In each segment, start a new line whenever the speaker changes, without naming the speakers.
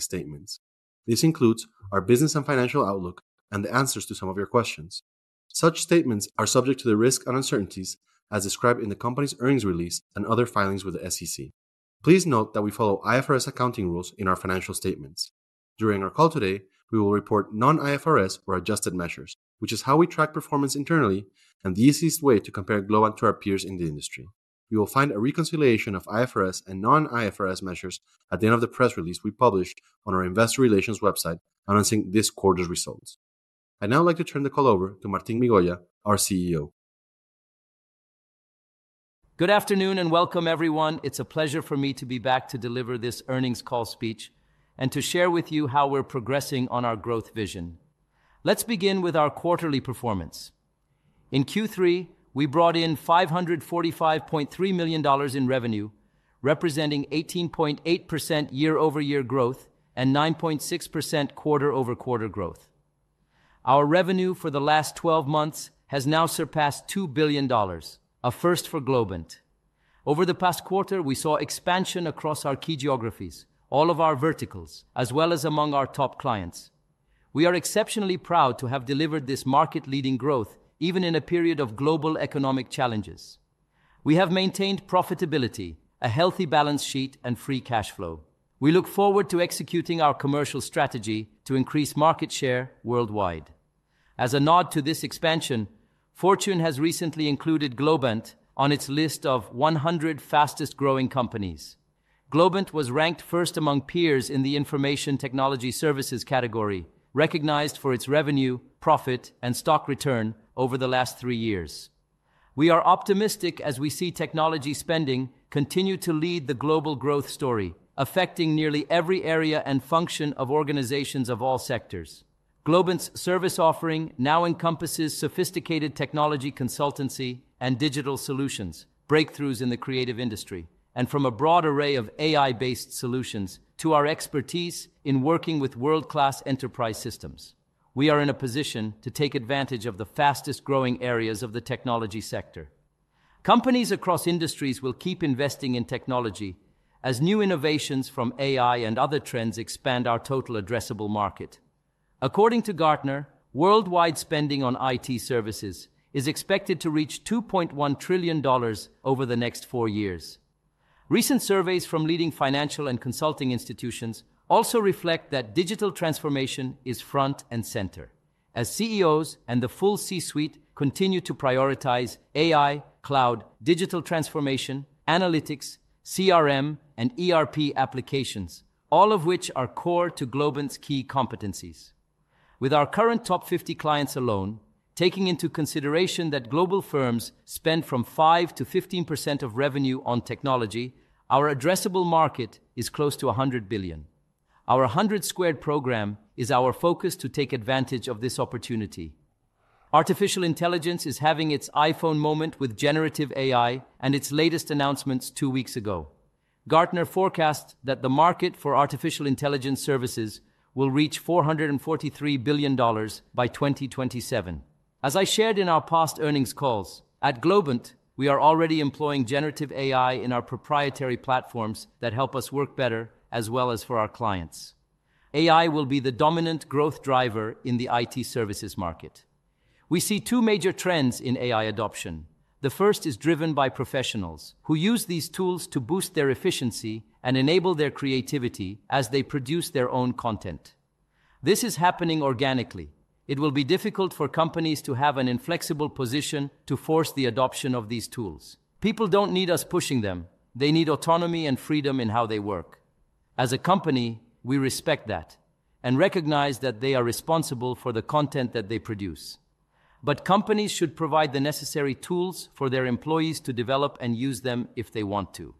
Statements. This includes our business and financial outlook and the answers to some of your questions. Such statements are subject to the risks and uncertainties as described in the company's earnings release and other filings with the SEC. Please note that we follow IFRS accounting rules in our financial statements. During our call today, we will report non-IFRS or adjusted measures, which is how we track performance internally and the easiest way to compare Globant to our peers in the industry. You will find a reconciliation of IFRS and non-IFRS measures at the end of the press release we published on our investor relations website announcing this quarter's results. I'd now like to turn the call over to Martín Migoya, our CEO.
Good afternoon, and welcome, everyone. It's a pleasure for me to be back to deliver this earnings call speech and to share with you how we're progressing on our growth vision. Let's begin with our quarterly performance. In Q3, we brought in $545.3 million in revenue, representing 18.8% year-over-year growth and 9.6% quarter-over-quarter growth. Our revenue for the last 12 months has now surpassed $2 billion, a first for Globant. Over the past quarter, we saw expansion across our key geographies, all of our verticals, as well as among our top clients. We are exceptionally proud to have delivered this market-leading growth, even in a period of global economic challenges. We have maintained profitability, a healthy balance sheet, and free cash flow. We look forward to executing our commercial strategy to increase market share worldwide. As a nod to this expansion, Fortune has recently included Globant on its list of 100 fastest-growing companies. Globant was ranked first among peers in the information technology services category, recognized for its revenue, profit, and stock return over the last 3 years. We are optimistic as we see technology spending continue to lead the global growth story, affecting nearly every area and function of organizations of all sectors. Globant's service offering now encompasses sophisticated technology consultancy and digital solutions, breakthroughs in the creative industry, and from a broad array of AI-based solutions to our expertise in working with world-class enterprise systems. We are in a position to take advantage of the fastest-growing areas of the technology sector. Companies across industries will keep investing in technology as new innovations from AI and other trends expand our total addressable market. According to Gartner, worldwide spending on IT services is expected to reach $2.1 trillion over the next 4 years. Recent surveys from leading financial and consulting institutions also reflect that digital transformation is front and center as CEOs and the full C-suite continue to prioritize AI, cloud, digital transformation, analytics, CRM, and ERP applications, all of which are core to Globant's key competencies. With our current top 50 clients alone, taking into consideration that global firms spend from 5%-15% of revenue on technology, our addressable market is close to $100 billion. 100 Squared program is our focus to take advantage of this opportunity. Artificial intelligence is having its iPhone moment with generative AI and its latest announcements two weeks ago. Gartner forecasts that the market for artificial intelligence services will reach $443 billion by 2027. As I shared in our past earnings calls, at Globant, we are already employing generative AI in our proprietary platforms that help us work better, as well as for our clients. AI will be the dominant growth driver in the IT services market. We see two major trends in AI adoption. The first is driven by professionals who use these tools to boost their efficiency and enable their creativity as they produce their own content. This is happening organically. It will be difficult for companies to have an inflexible position to force the adoption of these tools. People don't need us pushing them. They need autonomy and freedom in how they work. As a company, we respect that and recognize that they are responsible for the content that they produce. But companies should provide the necessary tools for their employees to develop and use them if they want to.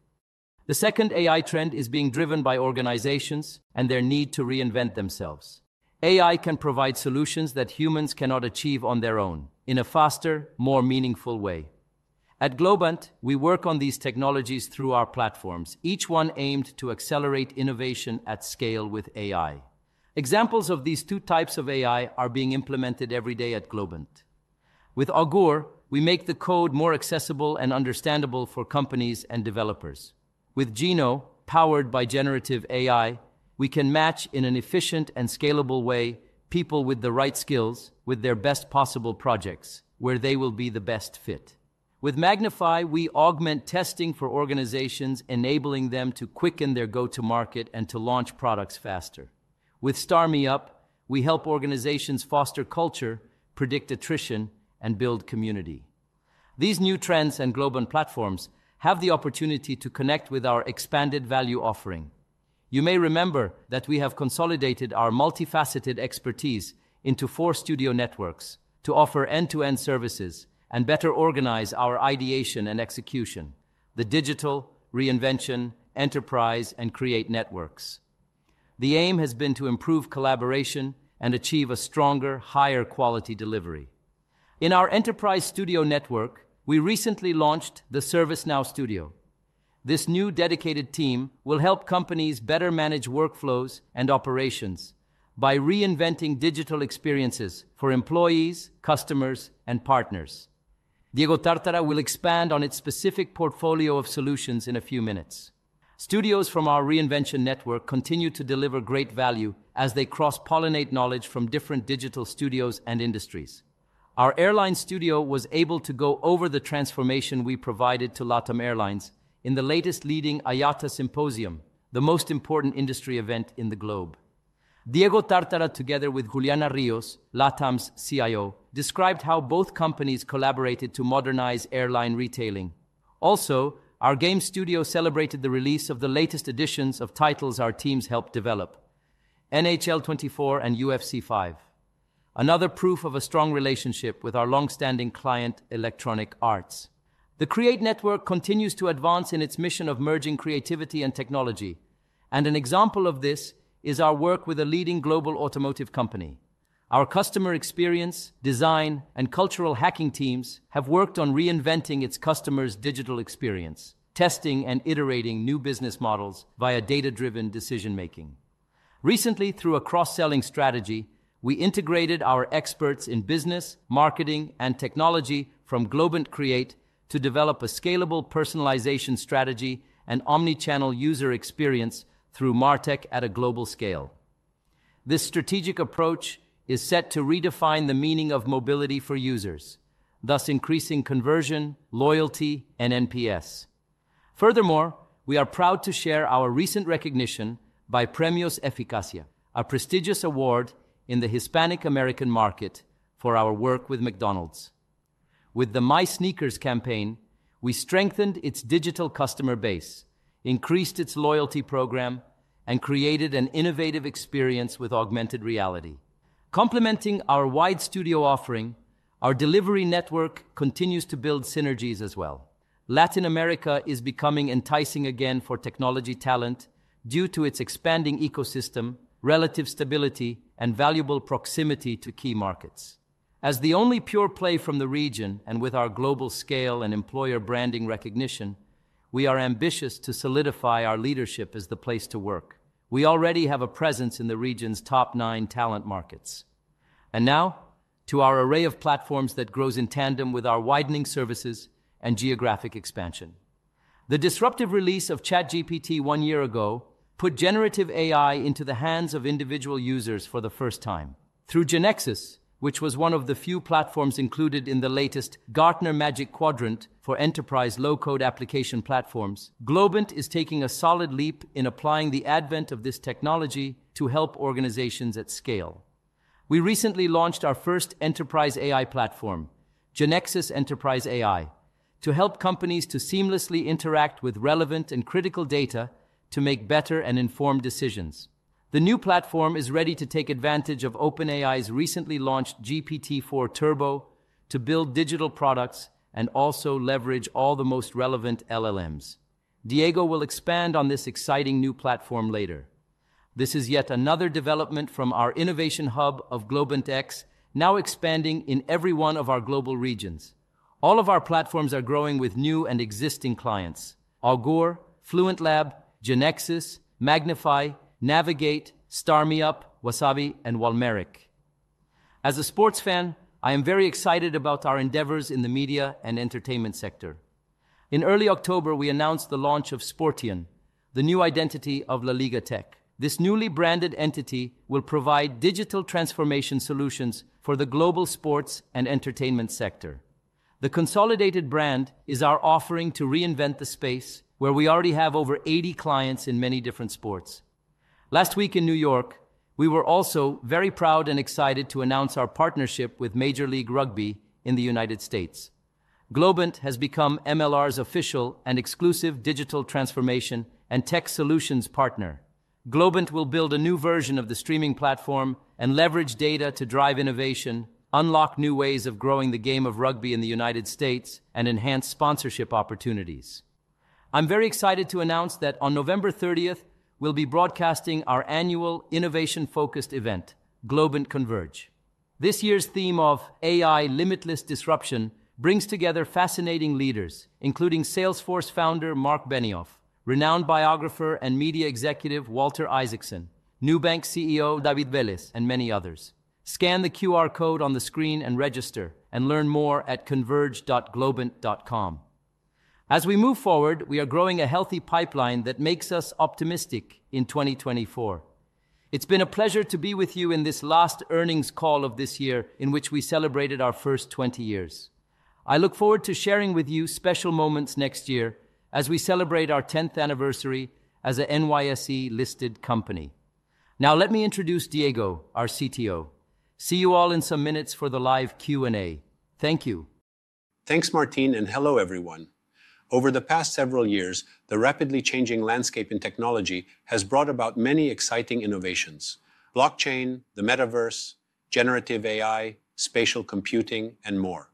The second AI trend is being driven by organizations and their need to reinvent themselves. AI can provide solutions that humans cannot achieve on their own in a faster, more meaningful way. At Globant, we work on these technologies through our platforms, each one aimed to accelerate innovation at scale with AI. Examples of these two types of AI are being implemented every day at Globant. With Augur, we make the code more accessible and understandable for companies and developers. With Geno, powered by generative AI, we can match, in an efficient and scalable way, people with the right skills, with their best possible projects, where they will be the best fit. With Magnify, we augment testing for organizations, enabling them to quicken their go-to-market and to launch products faster. With StarMeUp, we help organizations foster culture, predict attrition, and build community. These new trends and Globant platforms have the opportunity to connect with our expanded value offering. You may remember that we have consolidated our multifaceted expertise into four studio networks to offer end-to-end services and better organize our ideation and execution: the Digital, Reinvention, Enterprise, and Create networks. The aim has been to improve collaboration and achieve a stronger, higher quality delivery. In our Enterprise Studio Network, we recently launched the ServiceNow Studio. This new dedicated team will help companies better manage workflows and operations by reinventing digital experiences for employees, customers, and partners. Diego Tartara will expand on its specific portfolio of solutions in a few minutes. Studios from our Reinvention Network continue to deliver great value as they cross-pollinate knowledge from different digital studios and industries. Our Airline Studio was able to go over the transformation we provided to LATAM Airlines in the latest leading IATA symposium, the most important industry event in the globe. Diego Tártara, together with Juliana Rios, LATAM's CIO, described how both companies collaborated to modernize airline retailing. Also, our Games Studio celebrated the release of the latest editions of titles our teams helped develop: NHL 24 and UFC 5. Another proof of a strong relationship with our long-standing client, Electronic Arts. The Create network continues to advance in its mission of merging creativity and technology, and an example of this is our work with a leading global automotive company. Our customer experience, design, and cultural hacking teams have worked on reinventing its customers' digital experience, testing and iterating new business models via data-driven decision-making. Recently, through a cross-selling strategy, we integrated our experts in business, marketing, and technology from Globant Create to develop a scalable personalization strategy and omni-channel user experience through MarTech at a global scale. This strategic approach is set to redefine the meaning of mobility for users, thus increasing conversion, loyalty, and NPS. Furthermore, we are proud to share our recent recognition by Premios Eficacia, a prestigious award in the Hispanic American market, for our work with McDonald's. With the My Sneakers campaign, we strengthened its digital customer base, increased its loyalty program, and created an innovative experience with augmented reality. Complementing our wide studio offering, our delivery network continues to build synergies as well. Latin America is becoming enticing again for technology talent due to its expanding ecosystem, relative stability, and valuable proximity to key markets. As the only pure play from the region and with our global scale and employer branding recognition, we are ambitious to solidify our leadership as the place to work. We already have a presence in the region's top nine talent markets. Now, to our array of platforms that grows in tandem with our widening services and geographic expansion. The disruptive release of ChatGPT one year ago put generative AI into the hands of individual users for the first time. Through GeneXus, which was one of the few platforms included in the latest Gartner Magic Quadrant for enterprise low-code application platforms, Globant is taking a solid leap in applying the advent of this technology to help organizations at scale. We recently launched our first enterprise AI platform, GeneXus Enterprise AI, to help companies to seamlessly interact with relevant and critical data to make better and informed decisions. The new platform is ready to take advantage of OpenAI's recently launched GPT-4 Turbo to build digital products and also leverage all the most relevant LLMs. Diego will expand on this exciting new platform later. This is yet another development from our innovation hub of Globant X, now expanding in every one of our global regions. All of our platforms are growing with new and existing clients: Augur, Fluent Lab, GeneXus, Magnify, Navigate, StarMeUp, WaaSabi, and Walmeric. As a sports fan, I am very excited about our endeavors in the media and entertainment sector. In early October, we announced the launch of Sportian, the new identity of LaLiga Tech. This newly branded entity will provide digital transformation solutions for the global sports and entertainment sector. The consolidated brand is our offering to reinvent the space where we already have over 80 clients in many different sports. Last week in New York, we were also very proud and excited to announce our partnership with Major League Rugby in the United States. Globant has become MLR's official and exclusive digital transformation and tech solutions partner. Globant will build a new version of the streaming platform and leverage data to drive innovation, unlock new ways of growing the game of rugby in the United States, and enhance sponsorship opportunities. I'm very excited to announce that on November thirtieth, we'll be broadcasting our annual innovation-focused event, Globant Converge. This year's theme of AI: Limitless Disruption brings together fascinating leaders, including Salesforce founder Mark Benioff, renowned biographer and media executive Walter Isaacson, Nubank CEO David Vélez, and many others. Scan the QR code on the screen and register and learn more at converge.globant.com. As we move forward, we are growing a healthy pipeline that makes us optimistic in 2024. It's been a pleasure to be with you in this last earnings call of this year in which we celebrated our first 20 years. I look forward to sharing with you special moments next year as we celebrate our 10th anniversary as a NYSE-listed company. Now, let me introduce Diego, our CTO. See you all in some minutes for the live Q&A. Thank you.
Thanks, Martín, and hello, everyone. Over the past several years, the rapidly changing landscape in technology has brought about many exciting innovations: blockchain, the metaverse, generative AI, spatial computing, and more.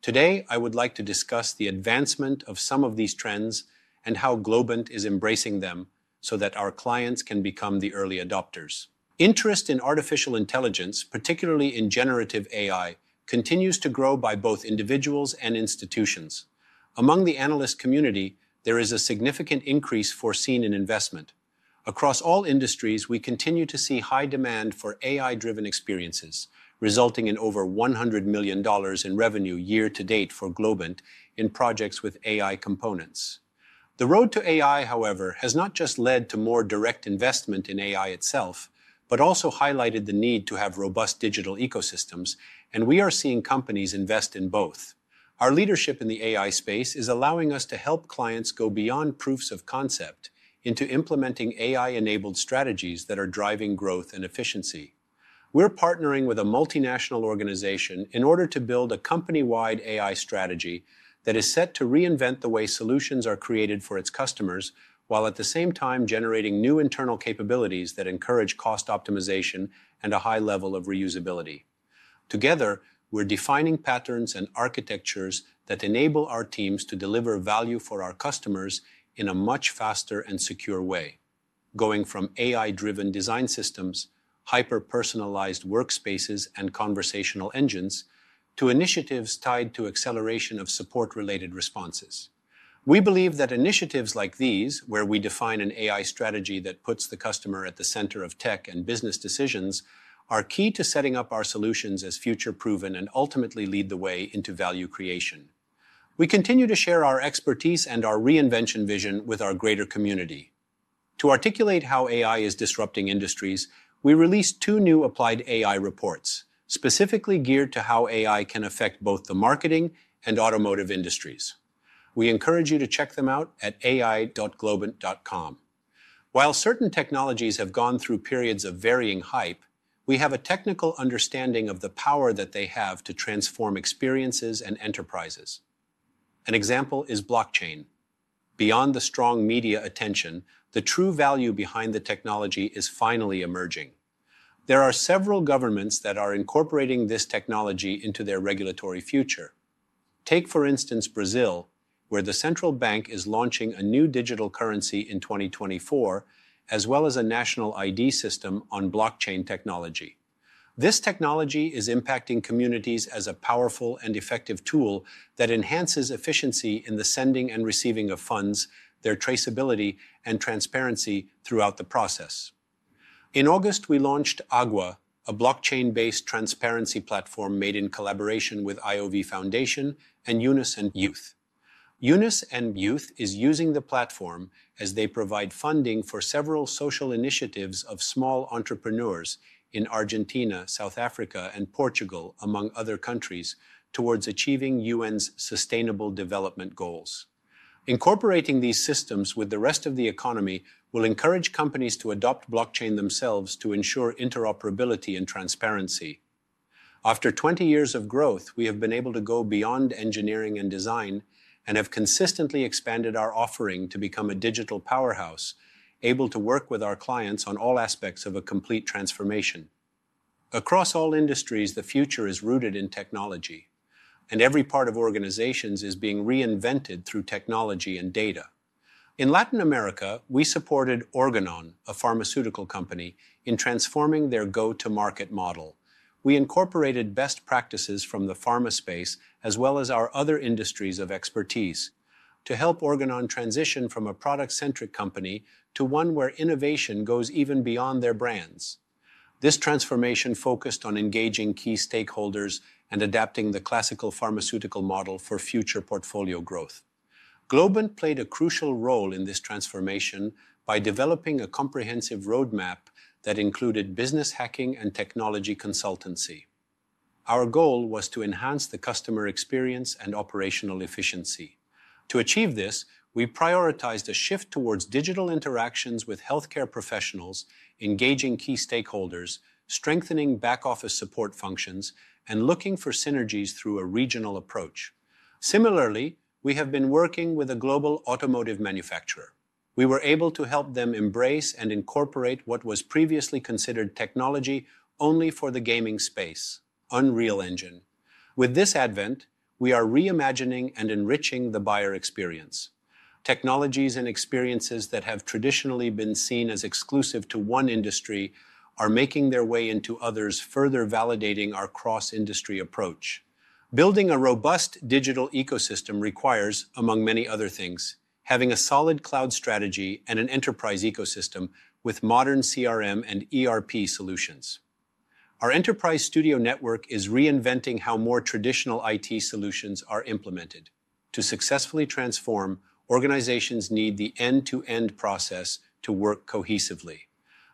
Today, I would like to discuss the advancement of some of these trends and how Globant is embracing them so that our clients can become the early adopters. Interest in artificial intelligence, particularly in generative AI, continues to grow by both individuals and institutions. Among the analyst community, there is a significant increase foreseen in investment. Across all industries, we continue to see high demand for AI-driven experiences, resulting in over $100 million in revenue year to date for Globant in projects with AI components. The road to AI, however, has not just led to more direct investment in AI itself, but also highlighted the need to have robust digital ecosystems, and we are seeing companies invest in both. Our leadership in the AI space is allowing us to help clients go beyond proofs of concept into implementing AI-enabled strategies that are driving growth and efficiency. We're partnering with a multinational organization in order to build a company-wide AI strategy that is set to reinvent the way solutions are created for its customers, while at the same time generating new internal capabilities that encourage cost optimization and a high level of reusability. Together, we're defining patterns and architectures that enable our teams to deliver value for our customers in a much faster and secure way. Going from AI-driven design systems, hyper-personalized workspaces, and conversational engines, to initiatives tied to acceleration of support-related responses. We believe that initiatives like these, where we define an AI strategy that puts the customer at the center of tech and business decisions, are key to setting up our solutions as future-proven and ultimately lead the way into value creation. We continue to share our expertise and our reinvention vision with our greater community. To articulate how AI is disrupting industries, we released two new applied AI reports, specifically geared to how AI can affect both the marketing and automotive industries. We encourage you to check them out at ai.globant.com. While certain technologies have gone through periods of varying hype, we have a technical understanding of the power that they have to transform experiences and enterprises. An example is Blockchain. Beyond the strong media attention, the true value behind the technology is finally emerging. There are several governments that are incorporating this technology into their regulatory future. Take, for instance, Brazil, where the central bank is launching a new digital currency in 2024, as well as a national ID system on blockchain technology. This technology is impacting communities as a powerful and effective tool that enhances efficiency in the sending and receiving of funds, their traceability, and transparency throughout the process. In August, we launched Agua, a blockchain-based transparency platform made in collaboration with IOV Foundation and UNICEF and Youth. UNICEF and Youth is using the platform as they provide funding for several social initiatives of small entrepreneurs in Argentina, South Africa, and Portugal, among other countries, towards achieving UN's sustainable development goals. Incorporating these systems with the rest of the economy will encourage companies to adopt blockchain themselves to ensure interoperability and transparency. After 20 years of growth, we have been able to go beyond engineering and design and have consistently expanded our offering to become a digital powerhouse, able to work with our clients on all aspects of a complete transformation. Across all industries, the future is rooted in technology, and every part of organizations is being reinvented through technology and data. In Latin America, we supported Organon, a pharmaceutical company, in transforming their go-to-market model. We incorporated best practices from the pharma space, as well as our other industries of expertise, to help Organon transition from a product-centric company to one where innovation goes even beyond their brands. This transformation focused on engaging key stakeholders and adapting the classical pharmaceutical model for future portfolio growth. Globant played a crucial role in this transformation by developing a comprehensive roadmap that included business hacking and technology consultancy. Our goal was to enhance the customer experience and operational efficiency. To achieve this, we prioritized a shift towards digital interactions with healthcare professionals, engaging key stakeholders, strengthening back office support functions, and looking for synergies through a regional approach. Similarly, we have been working with a global automotive manufacturer. We were able to help them embrace and incorporate what was previously considered technology only for the gaming space, Unreal Engine. With this advent, we are reimagining and enriching the buyer experience. Technologies and experiences that have traditionally been seen as exclusive to one industry are making their way into others, further validating our cross-industry approach. Building a robust digital ecosystem requires, among many other things, having a solid cloud strategy and an enterprise ecosystem with modern CRM and ERP solutions. Our Enterprise Studio Network is reinventing how more traditional IT solutions are implemented. To successfully transform, organizations need the end-to-end process to work cohesively.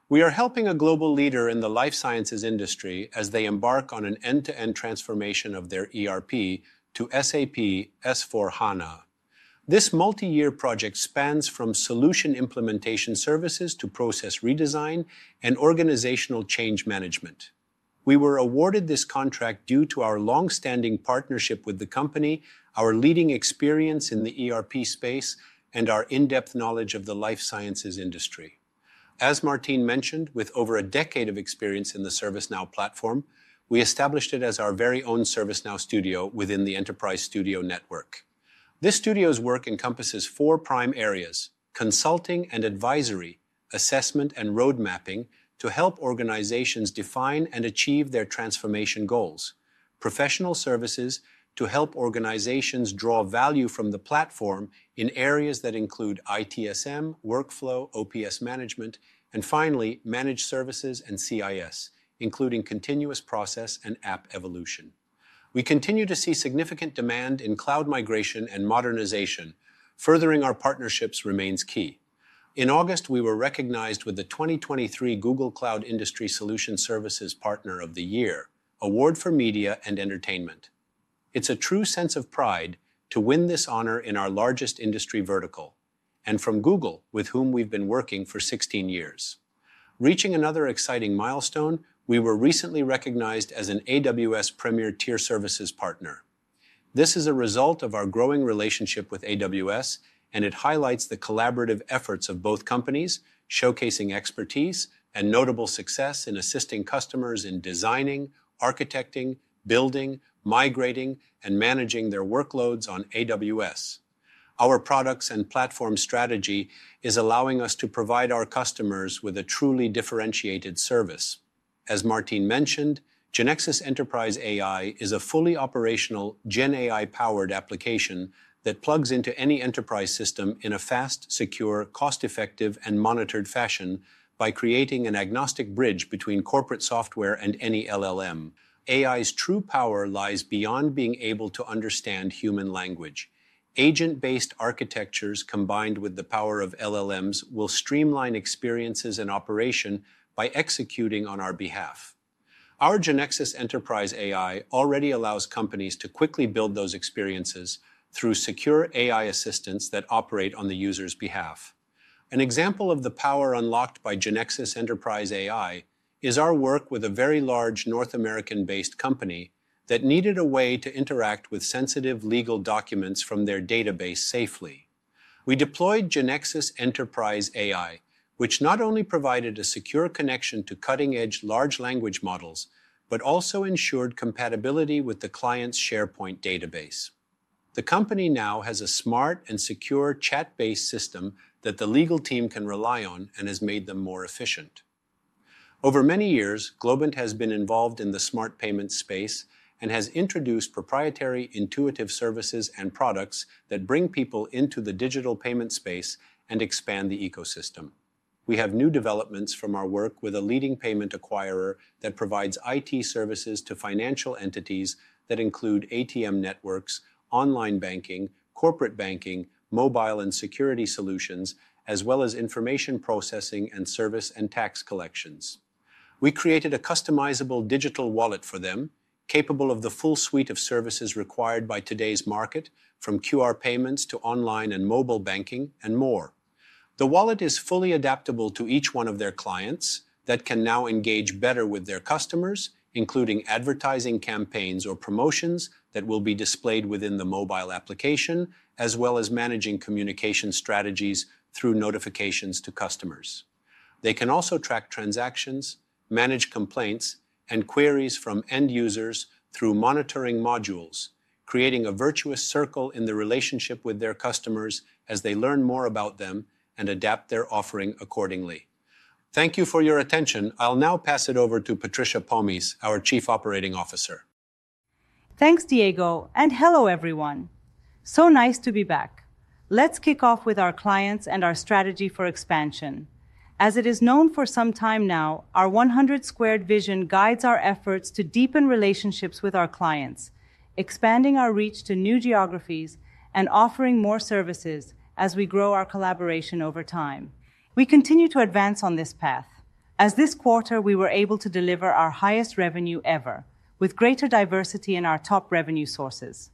We are helping a global leader in the life sciences industry as they embark on an end-to-end transformation of their ERP to SAP S/4HANA. This multi-year project spans from solution implementation services to process redesign and organizational change management. We were awarded this contract due to our long-standing partnership with the company, our leading experience in the ERP space, and our in-depth knowledge of the life sciences industry. As Martín mentioned, with over a decade of experience in the ServiceNow platform, we established it as our very own ServiceNow studio within the Enterprise Studio Network. This studio's work encompasses four prime areas: consulting and advisory, assessment and road mapping to help organizations define and achieve their transformation goals.... Professional services to help organizations draw value from the platform in areas that include ITSM, workflow, OPS management, and finally, managed services and CIS, including continuous process and app evolution. We continue to see significant demand in cloud migration and modernization. Furthering our partnerships remains key. In August, we were recognized with the 2023 Google Cloud Industry Solution Services Partner of the Year Award for Media and Entertainment. It's a true sense of pride to win this honor in our largest industry vertical, and from Google, with whom we've been working for 16 years. Reaching another exciting milestone, we were recently recognized as an AWS Premier Tier Services partner. This is a result of our growing relationship with AWS, and it highlights the collaborative efforts of both companies, showcasing expertise and notable success in assisting customers in designing, architecting, building, migrating, and managing their workloads on AWS. Our products and platform strategy is allowing us to provide our customers with a truly differentiated service. As Martín mentioned, GeneXus Enterprise AI is a fully operational GenAI-powered application that plugs into any enterprise system in a fast, secure, cost-effective, and monitored fashion by creating an agnostic bridge between corporate software and any LLM. AI's true power lies beyond being able to understand human language. Agent-based architectures, combined with the power of LLMs, will streamline experiences and operation by executing on our behalf. Our GeneXus Enterprise AI already allows companies to quickly build those experiences through secure AI assistants that operate on the user's behalf. An example of the power unlocked by GeneXus Enterprise AI is our work with a very large North American-based company that needed a way to interact with sensitive legal documents from their database safely. We deployed GeneXus Enterprise AI, which not only provided a secure connection to cutting-edge large language models, but also ensured compatibility with the client's SharePoint database. The company now has a smart and secure chat-based system that the legal team can rely on and has made them more efficient. Over many years, Globant has been involved in the smart payment space and has introduced proprietary, intuitive services and products that bring people into the digital payment space and expand the ecosystem. We have new developments from our work with a leading payment acquirer that provides IT services to financial entities that include ATM networks, online banking, corporate banking, mobile and security solutions, as well as information processing and service and tax collections. We created a customizable digital wallet for them, capable of the full suite of services required by today's market, from QR payments to online and mobile banking, and more. The wallet is fully adaptable to each one of their clients that can now engage better with their customers, including advertising campaigns or promotions that will be displayed within the mobile application, as well as managing communication strategies through notifications to customers. They can also track transactions, manage complaints, and queries from end users through monitoring modules, creating a virtuous circle in the relationship with their customers as they learn more about them and adapt their offering accordingly. Thank you for your attention. I'll now pass it over to Patricia Pomies, our Chief Operating Officer.
Thanks, Diego, and hello, everyone. So nice to be back. Let's kick off with our clients and our strategy for expansion. As it is known for some time now, 100 Squared vision guides our efforts to deepen relationships with our clients, expanding our reach to new geographies and offering more services as we grow our collaboration over time. We continue to advance on this path. As this quarter, we were able to deliver our highest revenue ever, with greater diversity in our top revenue sources.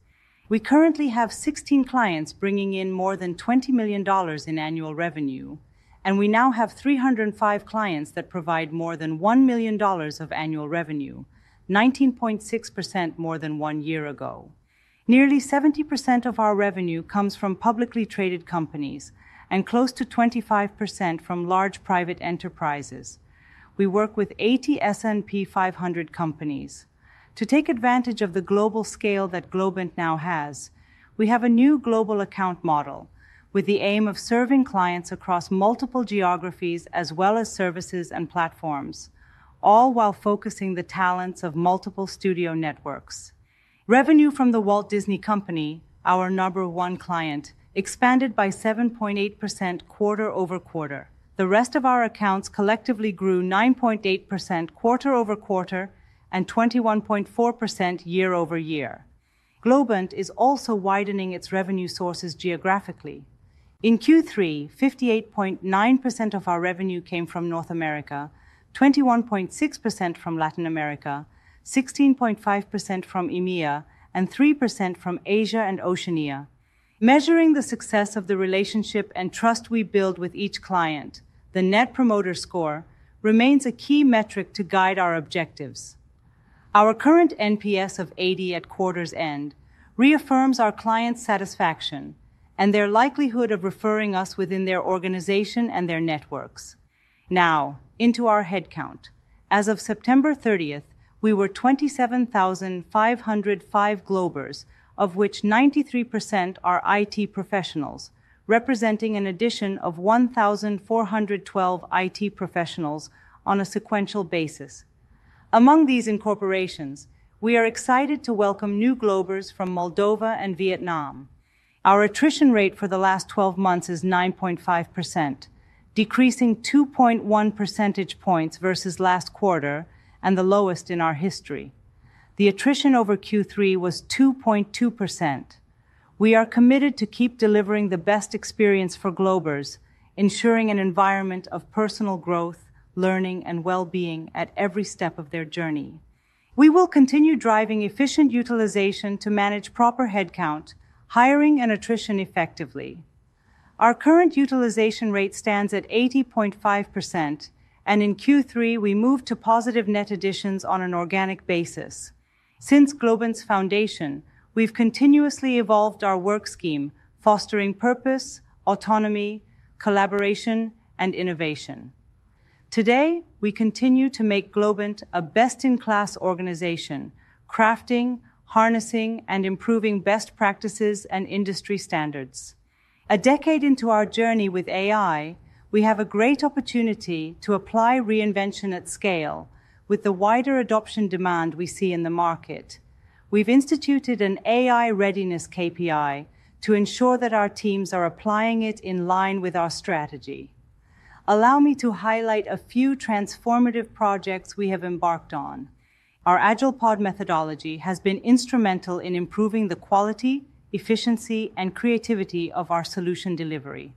We currently have 16 clients bringing in more than $20 million in annual revenue, and we now have 305 clients that provide more than $1 million of annual revenue, 19.6% more than one year ago. Nearly 70% of our revenue comes from publicly traded companies and close to 25% from large private enterprises. We work with 80 S&P 500 companies. To take advantage of the global scale that Globant now has, we have a new global account model with the aim of serving clients across multiple geographies as well as services and platforms, all while focusing the talents of multiple studio networks. Revenue from The Walt Disney Company, our number one client, expanded by 7.8% quarter-over-quarter. The rest of our accounts collectively grew 9.8% quarter-over-quarter and 21.4% year-over-year. Globant is also widening its revenue sources geographically. In Q3, 58.9% of our revenue came from North America, 21.6% from Latin America, 16.5% from EMEA, and 3% from Asia and Oceania. Measuring the success of the relationship and trust we build with each client, the Net Promoter Score remains a key metric to guide our objectives. Our current NPS of 80 at quarter's end reaffirms our clients' satisfaction and their likelihood of referring us within their organization and their networks. Now, into our headcount. As of September 30, we were 27,005 Globers, of which 93% are IT professionals, representing an addition of 1,412 IT professionals on a sequential basis. Among these incorporations, we are excited to welcome new Globers from Moldova and Vietnam. Our attrition rate for the last 12 months is 9.5%, decreasing 2.1 percentage points versus last quarter and the lowest in our history. The attrition over Q3 was 2.2%. We are committed to keep delivering the best experience for Globers, ensuring an environment of personal growth, learning, and well-being at every step of their journey. We will continue driving efficient utilization to manage proper headcount, hiring, and attrition effectively. Our current utilization rate stands at 80.5%, and in Q3, we moved to positive net additions on an organic basis. Since Globant's foundation, we've continuously evolved our work scheme, fostering purpose, autonomy, collaboration, and innovation. Today, we continue to make Globant a best-in-class organization, crafting, harnessing, and improving best practices and industry standards. A decade into our journey with AI, we have a great opportunity to apply reinvention at scale with the wider adoption demand we see in the market. We've instituted an AI readiness KPI to ensure that our teams are applying it in line with our strategy. Allow me to highlight a few transformative projects we have embarked on. Our Agile Pod methodology has been instrumental in improving the quality, efficiency, and creativity of our solution delivery.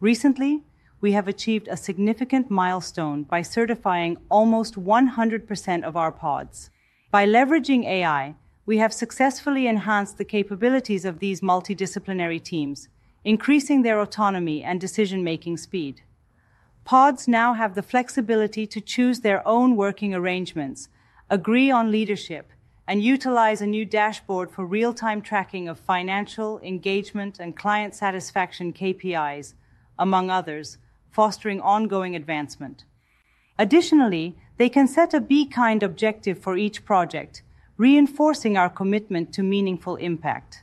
Recently, we have achieved a significant milestone by certifying almost 100% of our pods. By leveraging AI, we have successfully enhanced the capabilities of these multidisciplinary teams, increasing their autonomy and decision-making speed. Pods now have the flexibility to choose their own working arrangements, agree on leadership, and utilize a new dashboard for real-time tracking of financial, engagement, and client satisfaction KPIs, among others, fostering ongoing advancement. Additionally, they can set a Be Kind objective for each project, reinforcing our commitment to meaningful impact.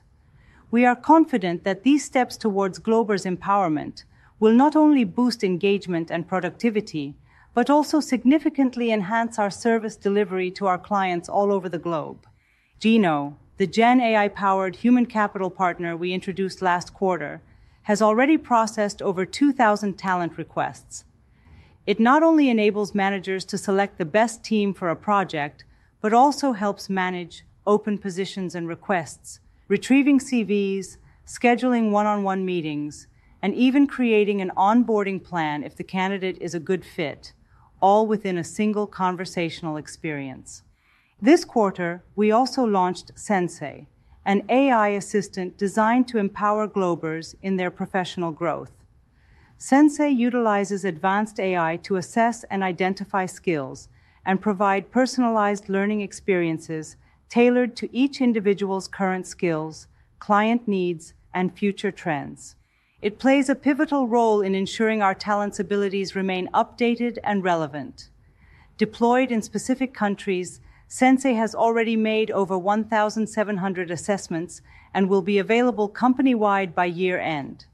We are confident that these steps towards Globers' empowerment will not only boost engagement and productivity, but also significantly enhance our service delivery to our clients all over the globe. Geno, the Gen AI-powered human capital partner we introduced last quarter, has already processed over 2,000 talent requests. It not only enables managers to select the best team for a project, but also helps manage open positions and requests, retrieving CVs, scheduling one-on-one meetings, and even creating an onboarding plan if the candidate is a good fit, all within a single conversational experience. This quarter, we also launched Sensei, an AI assistant designed to empower Globers in their professional growth. Sensei utilizes advanced AI to assess and identify skills and provide personalized learning experiences tailored to each individual's current skills, client needs, and future trends. It plays a pivotal role in ensuring our talents' abilities remain updated and relevant. Deployed in specific countries, Sensei has already made over 1,700 assessments and will be available company-wide by year-end.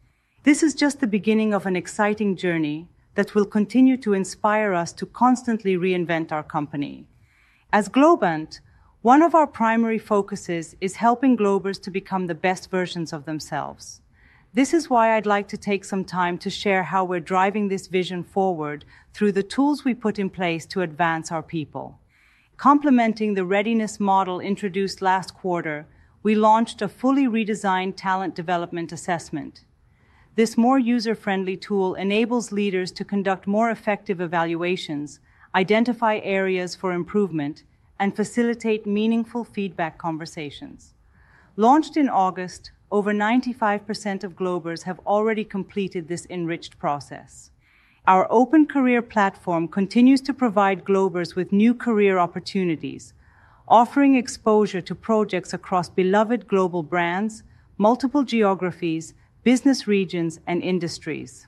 This is just the beginning of an exciting journey that will continue to inspire us to constantly reinvent our company. As Globant, one of our primary focuses is helping Globers to become the best versions of themselves. This is why I'd like to take some time to share how we're driving this vision forward through the tools we put in place to advance our people. Complementing the readiness model introduced last quarter, we launched a fully redesigned talent development assessment. This more user-friendly tool enables leaders to conduct more effective evaluations, identify areas for improvement, and facilitate meaningful feedback conversations. Launched in August, over 95% of Globers have already completed this enriched process. Our open career platform continues to provide Globers with new career opportunities, offering exposure to projects across beloved global brands, multiple geographies, business regions, and industries.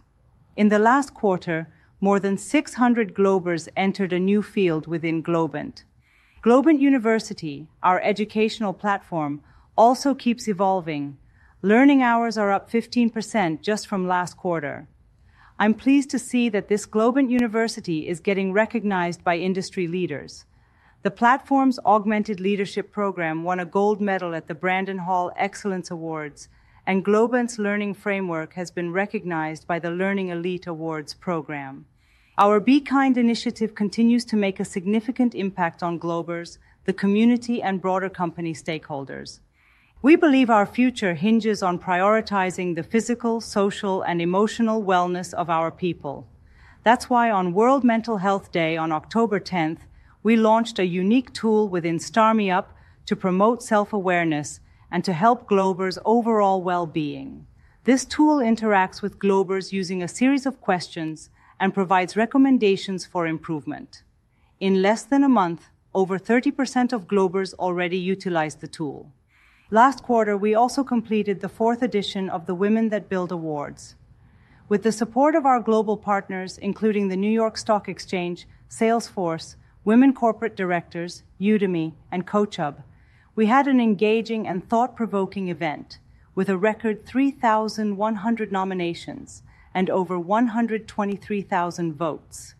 In the last quarter, more than 600 Globers entered a new field within Globant. Globant University, our educational platform, also keeps evolving. Learning hours are up 15% just from last quarter. I'm pleased to see that this Globant University is getting recognized by industry leaders. The platform's augmented leadership program won a gold medal at the Brandon Hall Excellence Awards, and Globant's learning framework has been recognized by the Learning Elite Awards program. Our Be Kind initiative continues to make a significant impact on Globers, the community, and broader company stakeholders. We believe our future hinges on prioritizing the physical, social, and emotional wellness of our people. That's why on World Mental Health Day on October 10, we launched a unique tool within StarMeUp to promote self-awareness and to help Globers' overall well-being. This tool interacts with Globers using a series of questions and provides recommendations for improvement. In less than a month, over 30% of Globers already utilized the tool. Last quarter, we also completed the fourth edition of the Women That Build Awards... With the support of our global partners, including the New York Stock Exchange, Salesforce, Women Corporate Directors, Udemy, and CoachHub, we had an engaging and thought-provoking event with a record 3,100 nominations and over 123,000 votes.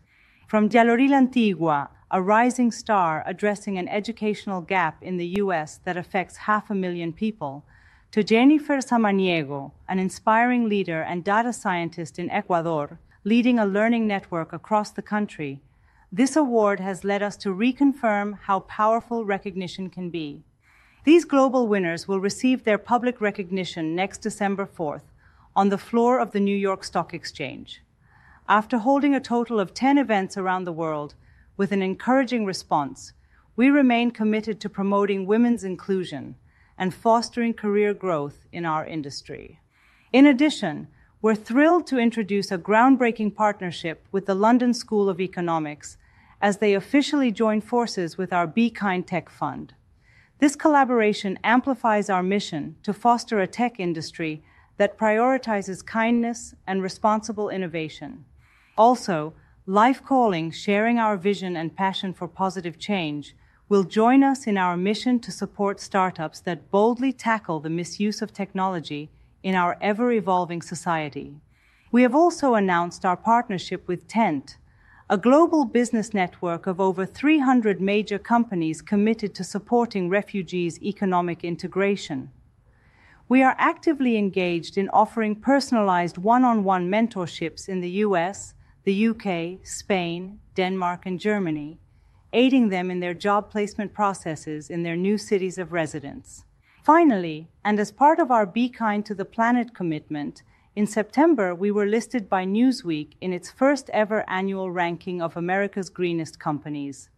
From Dianlory Antigua, a rising star addressing an educational gap in the U.S. that affects 500,000 people, to Jennifer Samaniego, an inspiring leader and data scientist in Ecuador, leading a learning network across the country. This award has led us to reconfirm how powerful recognition can be. These global winners will receive their public recognition next December fourth, on the floor of the New York Stock Exchange. After holding a total of 10 events around the world with an encouraging response, we remain committed to promoting women's inclusion and fostering career growth in our industry. In addition, we're thrilled to introduce a groundbreaking partnership with the London School of Economics as they officially join forces with our Be Kind Tech Fund. This collaboration amplifies our mission to foster a tech industry that prioritizes kindness and responsible innovation. Also, Life Calling, sharing our vision and passion for positive change, will join us in our mission to support startups that boldly tackle the misuse of technology in our ever-evolving society. We have also announced our partnership with Tent, a global business network of over 300 major companies committed to supporting refugees' economic integration. We are actively engaged in offering personalized one-on-one mentorships in the U.S., the U.K., Spain, Denmark, and Germany, aiding them in their job placement processes in their new cities of residence. Finally, and as part of our Be Kind to the Planet commitment, in September, we were listed by Newsweek in its first-ever annual ranking of America's greenest companies.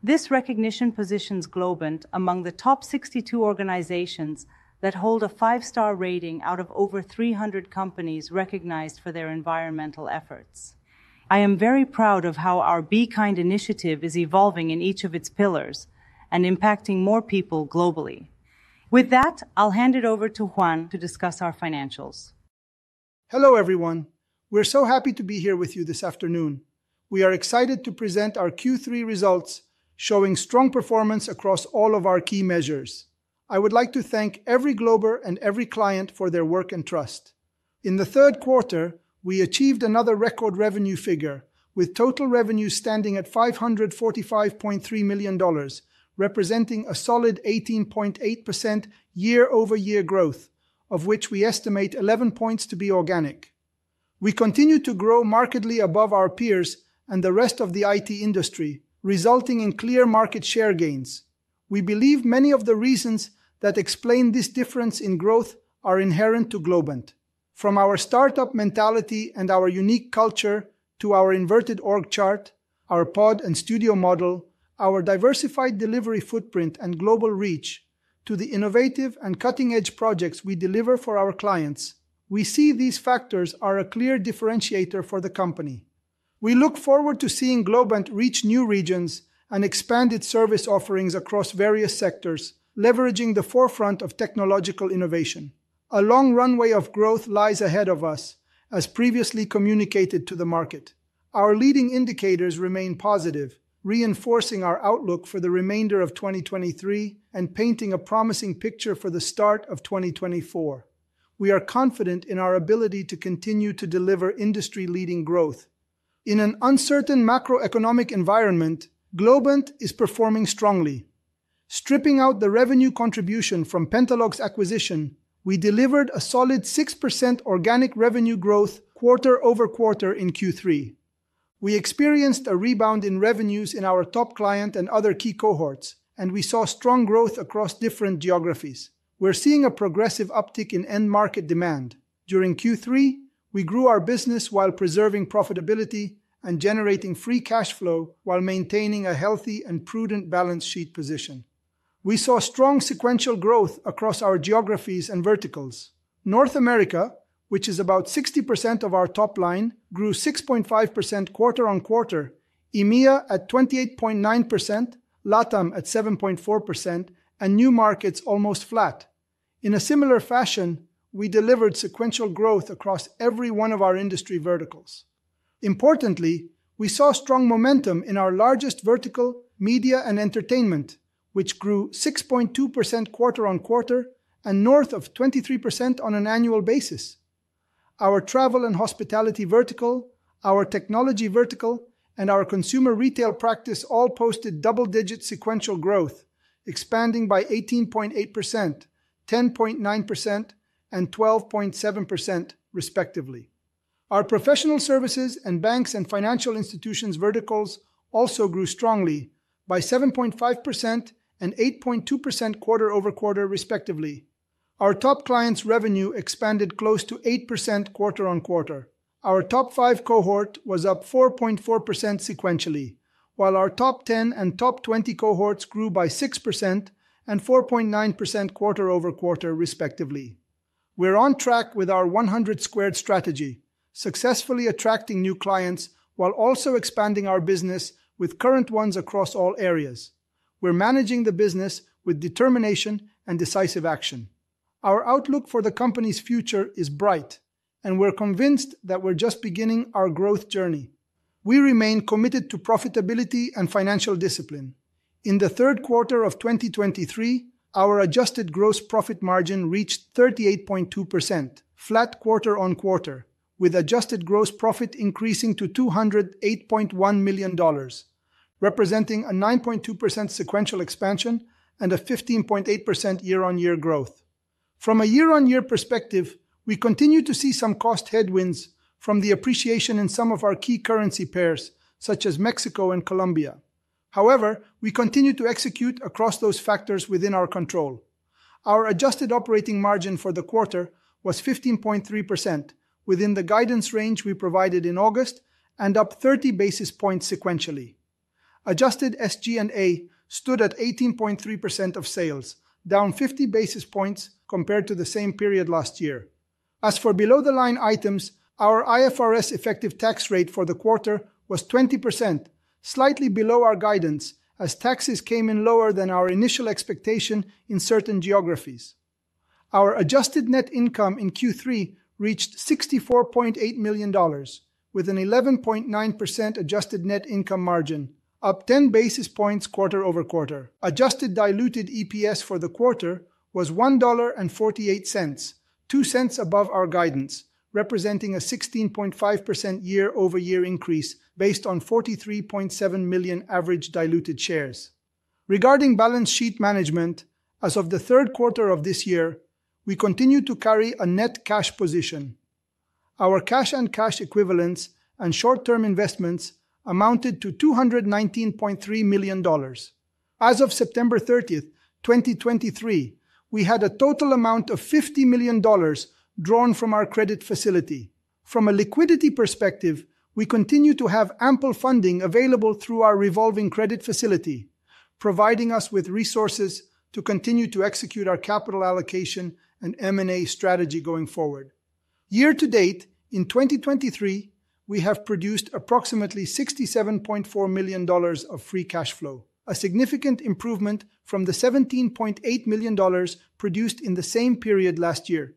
This recognition positions Globant among the top 62 organizations that hold a five-star rating out of over 300 companies recognized for their environmental efforts. I am very proud of how our Be Kind initiative is evolving in each of its pillars and impacting more people globally. With that, I'll hand it over to Juan to discuss our financials.
Hello, everyone. We're so happy to be here with you this afternoon. We are excited to present our Q3 results, showing strong performance across all of our key measures. I would like to thank every Glober and every client for their work and trust. In the third quarter, we achieved another record revenue figure, with total revenue standing at $545.3 million, representing a solid 18.8% year-over-year growth, of which we estimate 11 points to be organic. We continue to grow markedly above our peers and the rest of the IT industry, resulting in clear market share gains. We believe many of the reasons that explain this difference in growth are inherent to Globant. From our startup mentality and our unique culture to our inverted org chart, our pod and studio model, our diversified delivery footprint and global reach, to the innovative and cutting-edge projects we deliver for our clients. We see these factors are a clear differentiator for the company. We look forward to seeing Globant reach new regions and expand its service offerings across various sectors, leveraging the forefront of technological innovation. A long runway of growth lies ahead of us, as previously communicated to the market. Our leading indicators remain positive, reinforcing our outlook for the remainder of 2023 and painting a promising picture for the start of 2024. We are confident in our ability to continue to deliver industry-leading growth. In an uncertain macroeconomic environment, Globant is performing strongly. Stripping out the revenue contribution from Pentalog's acquisition, we delivered a solid 6% organic revenue growth quarter-over-quarter in Q3. We experienced a rebound in revenues in our top client and other key cohorts, and we saw strong growth across different geographies. We're seeing a progressive uptick in end-market demand. During Q3, we grew our business while preserving profitability and generating free cash flow while maintaining a healthy and prudent balance sheet position. We saw strong sequential growth across our geographies and verticals. North America, which is about 60% of our top line, grew 6.5% quarter-over-quarter, EMEA at 28.9%, LATAM at 7.4%, and new markets almost flat. In a similar fashion, we delivered sequential growth across every one of our industry verticals. Importantly, we saw strong momentum in our largest vertical, media and entertainment, which grew 6.2% quarter-over-quarter and north of 23% on an annual basis. Our travel and hospitality vertical, our technology vertical, and our consumer retail practice all posted double-digit sequential growth, expanding by 18.8%, 10.9%, and 12.7%, respectively. Our professional services and banks and financial institutions verticals also grew strongly by 7.5% and 8.2% quarter-over-quarter, respectively. Our top clients' revenue expanded close to 8% quarter-over-quarter. Our top five cohort was up 4.4% sequentially, while our top ten and top twenty cohorts grew by 6% and 4.9% quarter-over-quarter, respectively. We're on track with our 100-squared strategy, successfully attracting new clients while also expanding our business with current ones across all areas. We're managing the business with determination and decisive action. Our outlook for the company's future is bright, and we're convinced that we're just beginning our growth journey. We remain committed to profitability and financial discipline. In the third quarter of 2023, our adjusted gross profit margin reached 38.2%, flat quarter-on-quarter, with adjusted gross profit increasing to $208.1 million, representing a 9.2% sequential expansion and a 15.8% year-on-year growth. From a year-on-year perspective, we continue to see some cost headwinds from the appreciation in some of our key currency pairs, such as Mexico and Colombia. However, we continue to execute across those factors within our control. Our adjusted operating margin for the quarter was 15.3%, within the guidance range we provided in August and up 30 basis points sequentially. Adjusted SG&A stood at 18.3% of sales, down 50 basis points compared to the same period last year. As for below-the-line items, our IFRS effective tax rate for the quarter was 20%, slightly below our guidance, as taxes came in lower than our initial expectation in certain geographies. Our adjusted net income in Q3 reached $64.8 million, with an 11.9% adjusted net income margin, up 10 basis points quarter over quarter. Adjusted diluted EPS for the quarter was $1.48, 2 cents above our guidance, representing a 16.5% year-over-year increase based on 43.7 million average diluted shares. Regarding balance sheet management, as of the third quarter of this year, we continue to carry a net cash position. Our cash and cash equivalents and short-term investments amounted to $219.3 million. As of September thirtieth, 2023, we had a total amount of $50 million drawn from our credit facility. From a liquidity perspective, we continue to have ample funding available through our revolving credit facility, providing us with resources to continue to execute our capital allocation and M&A strategy going forward. Year to date, in 2023, we have produced approximately $67.4 million of free cash flow, a significant improvement from the $17.8 million produced in the same period last year.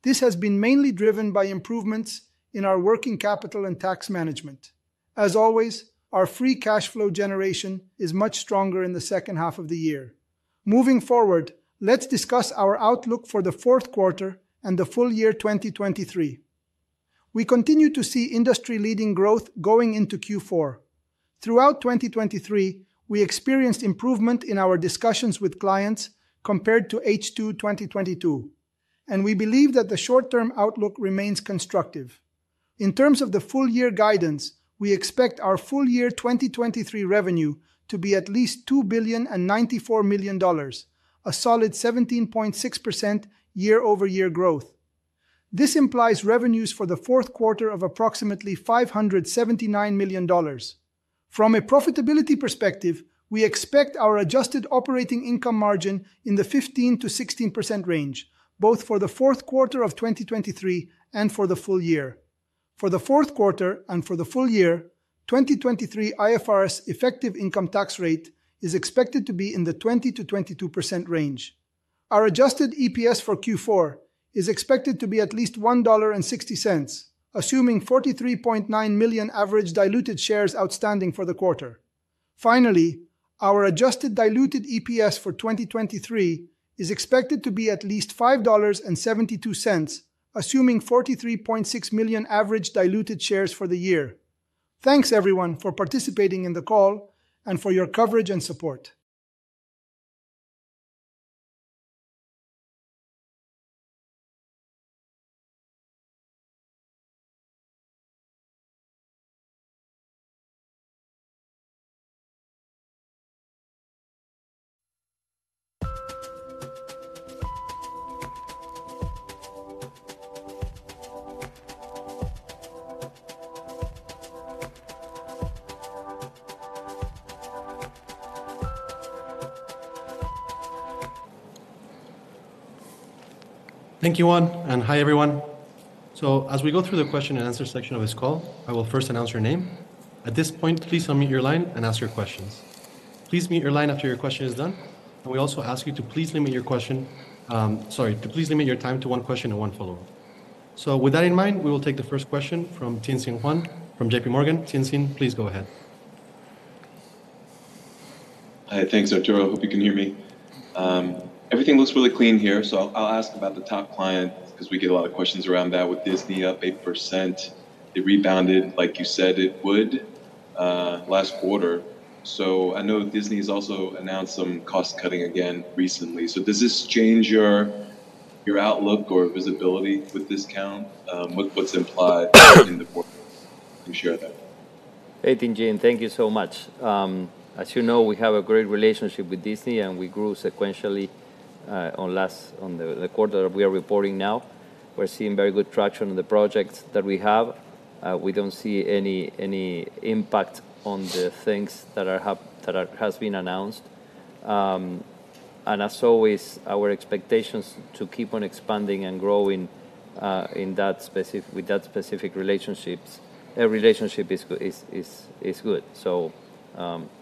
This has been mainly driven by improvements in our working capital and tax management. As always, our free cash flow generation is much stronger in the second half of the year. Moving forward, let's discuss our outlook for the fourth quarter and the full year 2023. We continue to see industry-leading growth going into Q4. Throughout 2023, we experienced improvement in our discussions with clients compared to H2 2022, and we believe that the short-term outlook remains constructive. In terms of the full year guidance, we expect our full year 2023 revenue to be at least $2.094 billion, a solid 17.6% year-over-year growth. This implies revenues for the fourth quarter of approximately $579 million. From a profitability perspective, we expect our adjusted operating income margin in the 15%-16% range, both for the fourth quarter of 2023 and for the full year. For the fourth quarter and for the full year, 2023 IFRS effective income tax rate is expected to be in the 20%-22% range. Our adjusted EPS for Q4 is expected to be at least $1.60, assuming 43.9 million average diluted shares outstanding for the quarter. Finally, our adjusted diluted EPS for 2023 is expected to be at least $5.72, assuming 43.6 million average diluted shares for the year. Thanks, everyone, for participating in the call and for your coverage and support.
Thank you, Juan, and hi, everyone. So as we go through the question and answer section of this call, I will first announce your name. At this point, please unmute your line and ask your questions. Please mute your line after your question is done, and we also ask you to please limit your question, Sorry, to please limit your time to one question and one follow-up. So with that in mind, we will take the first question from Tien-Tsin Huang from J.P. Morgan. Tien-Tsin, please go ahead.
Hi. Thanks, Arturo. Hope you can hear me. Everything looks really clean here, so I'll ask about the top client because we get a lot of questions around that. With Disney up 8%, it rebounded like you said it would last quarter. So I know Disney has also announced some cost-cutting again recently. So does this change your outlook or visibility with this client? What’s implied in the quarter? You share that.
Hey, Tien-Tsin. Thank you so much. As you know, we have a great relationship with Disney, and we grew sequentially on the quarter we are reporting now. We're seeing very good traction on the projects that we have. We don't see any impact on the things that have been announced. So-...
and as always, our expectations to keep on expanding and growing, in that with that specific relationships, relationship is good. So,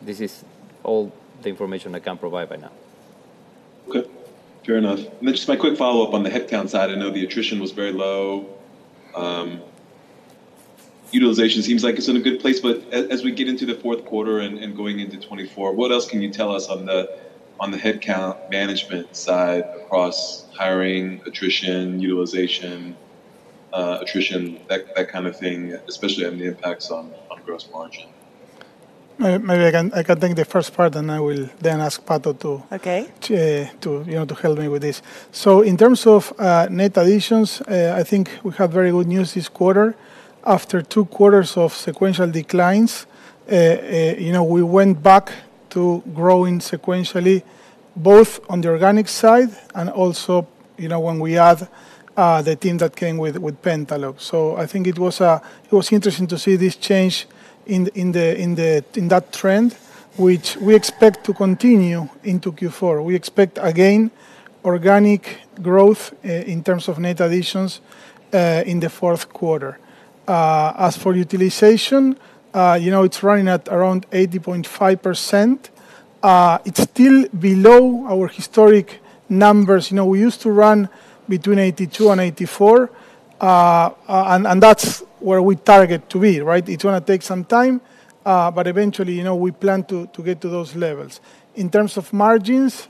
this is all the information I can provide by now.
Okay, fair enough. And then just my quick follow-up on the headcount side, I know the attrition was very low. Utilization seems like it's in a good place, but as we get into the fourth quarter and going into 2024, what else can you tell us on the headcount management side across hiring, attrition, utilization, attrition, that kind of thing, especially on the impacts on gross margin?
Maybe I can, I can take the first part, and I will then ask Pato to-
Okay.
You know, to help me with this. So in terms of net additions, I think we have very good news this quarter. After two quarters of sequential declines, you know, we went back to growing sequentially, both on the organic side and also, you know, when we add the team that came with Pentalog. So I think it was interesting to see this change in that trend, which we expect to continue into Q4. We expect, again, organic growth in terms of net additions in the fourth quarter. As for utilization, you know, it's running at around 80.5%. It's still below our historic numbers. You know, we used to run between 82%-84%, and that's where we target to be, right? It's gonna take some time, but eventually, you know, we plan to get to those levels. In terms of margins,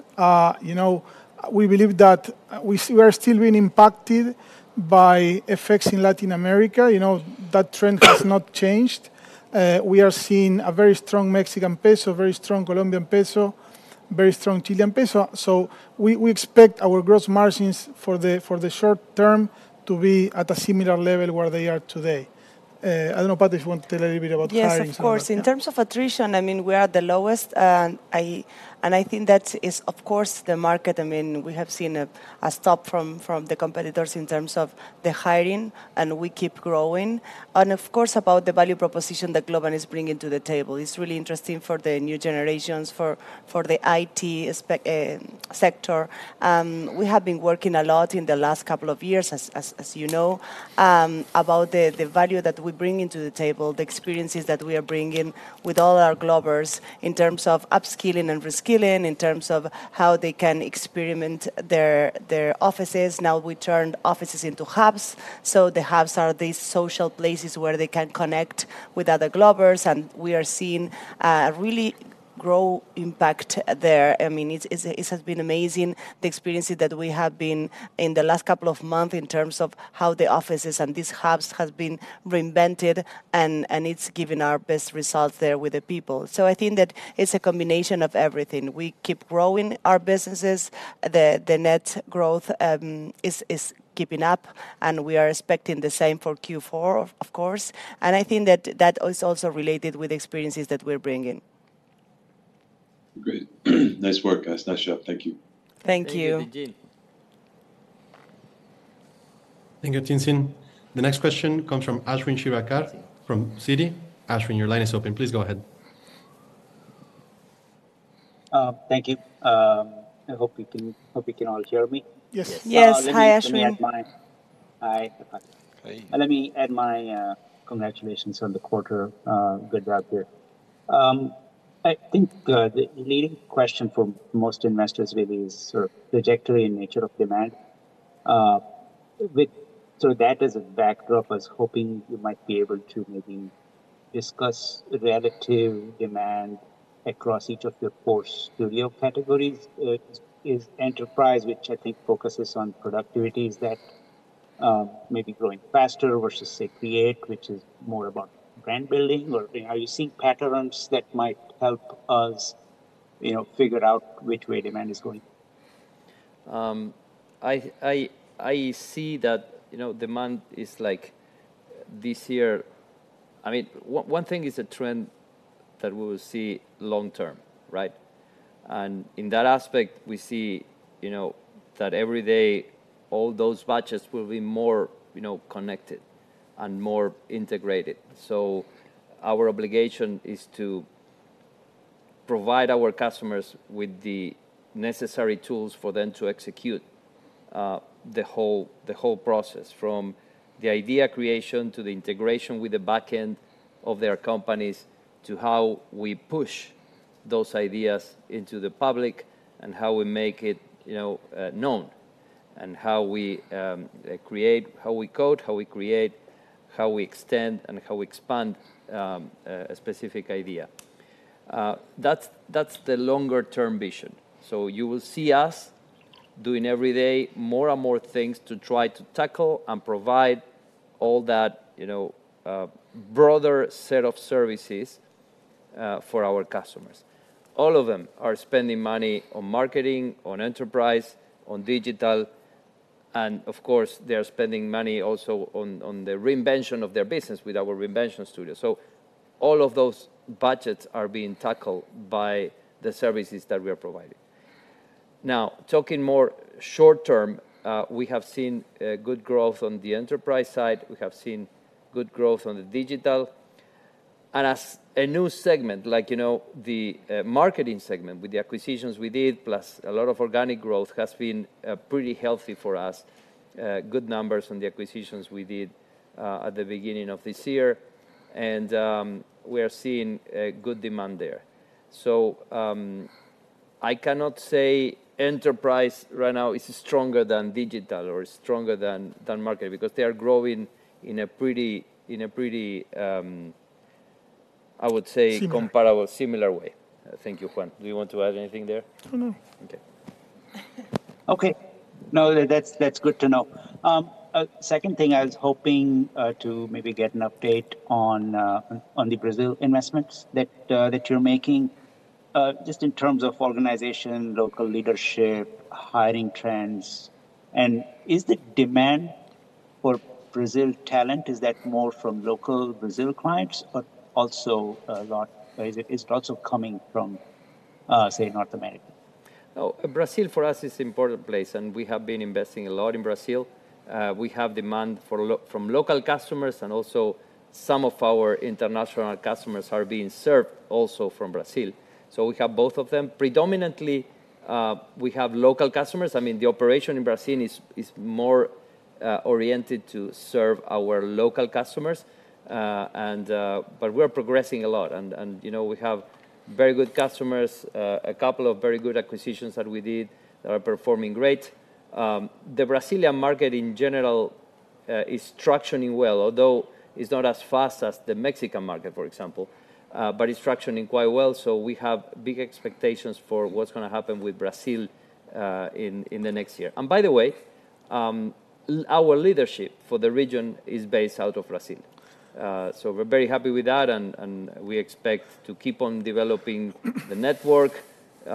you know, we believe that we see we are still being impacted by effects in Latin America. You know, that trend has not changed. We are seeing a very strong Mexican peso, very strong Colombian peso, very strong Chilean peso. So we expect our gross margins for the short term to be at a similar level where they are today. I don't know, Pato, if you want to tell a little bit about hiring?
Yes, of course. In terms of attrition, I mean, we are at the lowest, and I think that is, of course, the market. I mean, we have seen a stop from the competitors in terms of the hiring, and we keep growing. And of course, about the value proposition that Globant is bringing to the table. It's really interesting for the new generations, for the IT spec sector. We have been working a lot in the last couple of years, as you know, about the value that we're bringing to the table, the experiences that we are bringing with all our Globbers in terms of upskilling and reskilling, in terms of how they can experiment their offices. Now, we turned offices into hubs, so the hubs are these social places where they can connect with other Globbers, and we are seeing a really growing impact there. I mean, it's, it's, it has been amazing, the experiences that we have been in the last couple of months in terms of how the offices and these hubs has been reinvented, and, and it's given our best results there with the people. So I think that it's a combination of everything. We keep growing our businesses. The net growth is keeping up, and we are expecting the same for Q4, of course, and I think that that is also related with experiences that we're bringing.
Great. Nice work, guys. Nice job. Thank you.
Thank you.
Thank you.
Thank you, Tien-Tsin. The next question comes from Ashwin Shirvaikar from Citi. Ashwin, your line is open. Please go ahead.
Thank you. I hope you can all hear me.
Yes.
Yes. Hi, Ashwin.
Hi.
Hi.
Let me add my congratulations on the quarter. Good job there. I think the leading question for most investors maybe is sort of trajectory and nature of demand. With that as a backdrop, I was hoping you might be able to maybe discuss the relative demand across each of your core studio categories. Is Enterprise, which I think focuses on productivity, is that maybe growing faster versus, say, Create, which is more about brand building? Or are you seeing patterns that might help us, you know, figure out which way demand is going?
I see that, you know, demand is like this year... I mean, one thing is a trend that we will see long term, right? And in that aspect, we see, you know, that every day, all those budgets will be more, you know, connected and more integrated. So our obligation is to provide our customers with the necessary tools for them to execute the whole process, from the idea creation, to the integration with the back end of their companies, to how we push those ideas into the public, and how we make it, you know, known, and how we create, how we code, how we create, how we extend, and how we expand a specific idea. That's the longer term vision. So you will see us doing every day, more and more things to try to tackle and provide all that, you know, broader set of services, for our customers. All of them are spending money on marketing, on enterprise, on digital, and of course, they are spending money also on, on the reinvention of their business with our reinvention studio. So all of those budgets are being tackled by the services that we are providing. Now, talking more short term, we have seen, good growth on the enterprise side, we have seen good growth on the digital.... and as a new segment, like, you know, the, marketing segment with the acquisitions we did, plus a lot of organic growth, has been, pretty healthy for us. Good numbers on the acquisitions we did at the beginning of this year, and we are seeing a good demand there. So, I cannot say enterprise right now is stronger than digital or stronger than market, because they are growing in a pretty, I would say-
Similar...
comparable, similar way. Thank you, Juan. Do you want to add anything there?
No.
Okay.
Okay. No, that's, that's good to know. Second thing: I was hoping to maybe get an update on on the Brazil investments that that you're making, just in terms of organization, local leadership, hiring trends. And is the demand for Brazil talent, is that more from local Brazil clients, but also a lot- or is it also coming from, say, North America?
Oh, Brazil, for us, is important place, and we have been investing a lot in Brazil. We have demand from local customers, and also some of our international customers are being served also from Brazil. So we have both of them. Predominantly, we have local customers. I mean, the operation in Brazil is more oriented to serve our local customers. But we're progressing a lot and, you know, we have very good customers, a couple of very good acquisitions that we did that are performing great. The Brazilian market, in general, is structuring well, although is not as fast as the Mexican market, for example, but it's structuring quite well. So we have big expectations for what's gonna happen with Brazil, in the next year. And by the way, our leadership for the region is based out of Brazil. So we're very happy with that, and we expect to keep on developing the network, you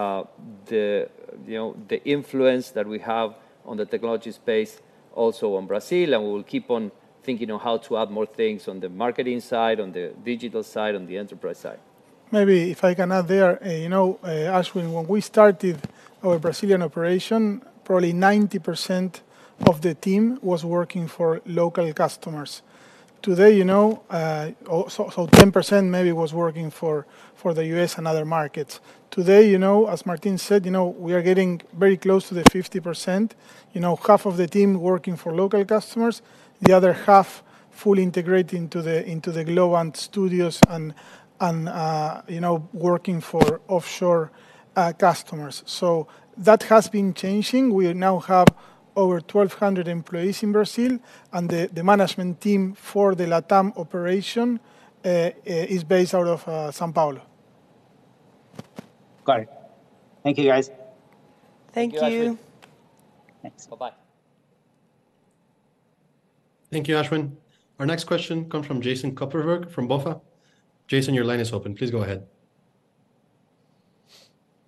know, the influence that we have on the technology space, also on Brazil, and we will keep on thinking on how to add more things on the marketing side, on the digital side, on the enterprise side.
Maybe if I can add there, you know, Ashwin, when we started our Brazilian operation, probably 90% of the team was working for local customers. Today, you know, also, so 10% maybe was working for, for the US and other markets. Today, you know, as Martin said, you know, we are getting very close to the 50%, you know, half of the team working for local customers, the other half fully integrating to the, into the global studios and, and, you know, working for offshore customers. So that has been changing. We now have over 1,200 employees in Brazil, and the management team for the LATAM operation is based out of São Paulo.
Got it. Thank you, guys.
Thank you.
Thank you, Ashwin.
Thanks. Bye-bye.
Thank you, Ashwin. Our next question comes from Jason Kupferberg, from BofA. Jason, your line is open. Please go ahead.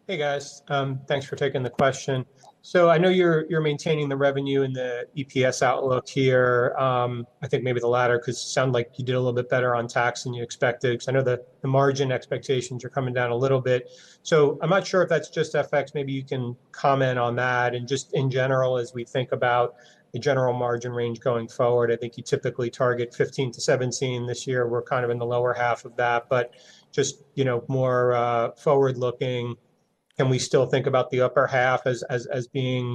Hey, guys. Thanks for taking the question. So I know you're maintaining the revenue and the EPS outlook here. I think maybe the latter, 'cause it sound like you did a little bit better on tax than you expected, 'cause I know that the margin expectations are coming down a little bit. So I'm not sure if that's just FX. Maybe you can comment on that. And just in general, as we think about the general margin range going forward, I think you typically target 15%-17% this year. We're kind of in the lower half of that, but just, you know, more forward-looking, can we still think about the upper half as being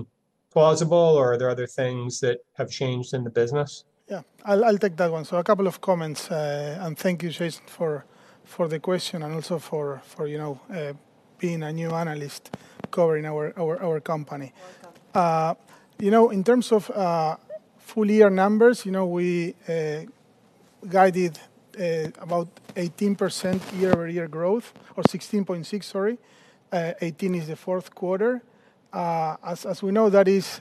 plausible, or are there other things that have changed in the business?
Yeah, I'll take that one. So a couple of comments, and thank you, Jason, for the question and also for, you know, being a new analyst covering our company.
You're welcome.
You know, in terms of full year numbers, you know, we guided about 18% year-over-year growth, or 16.6, sorry. 18 is the fourth quarter. As we know, that is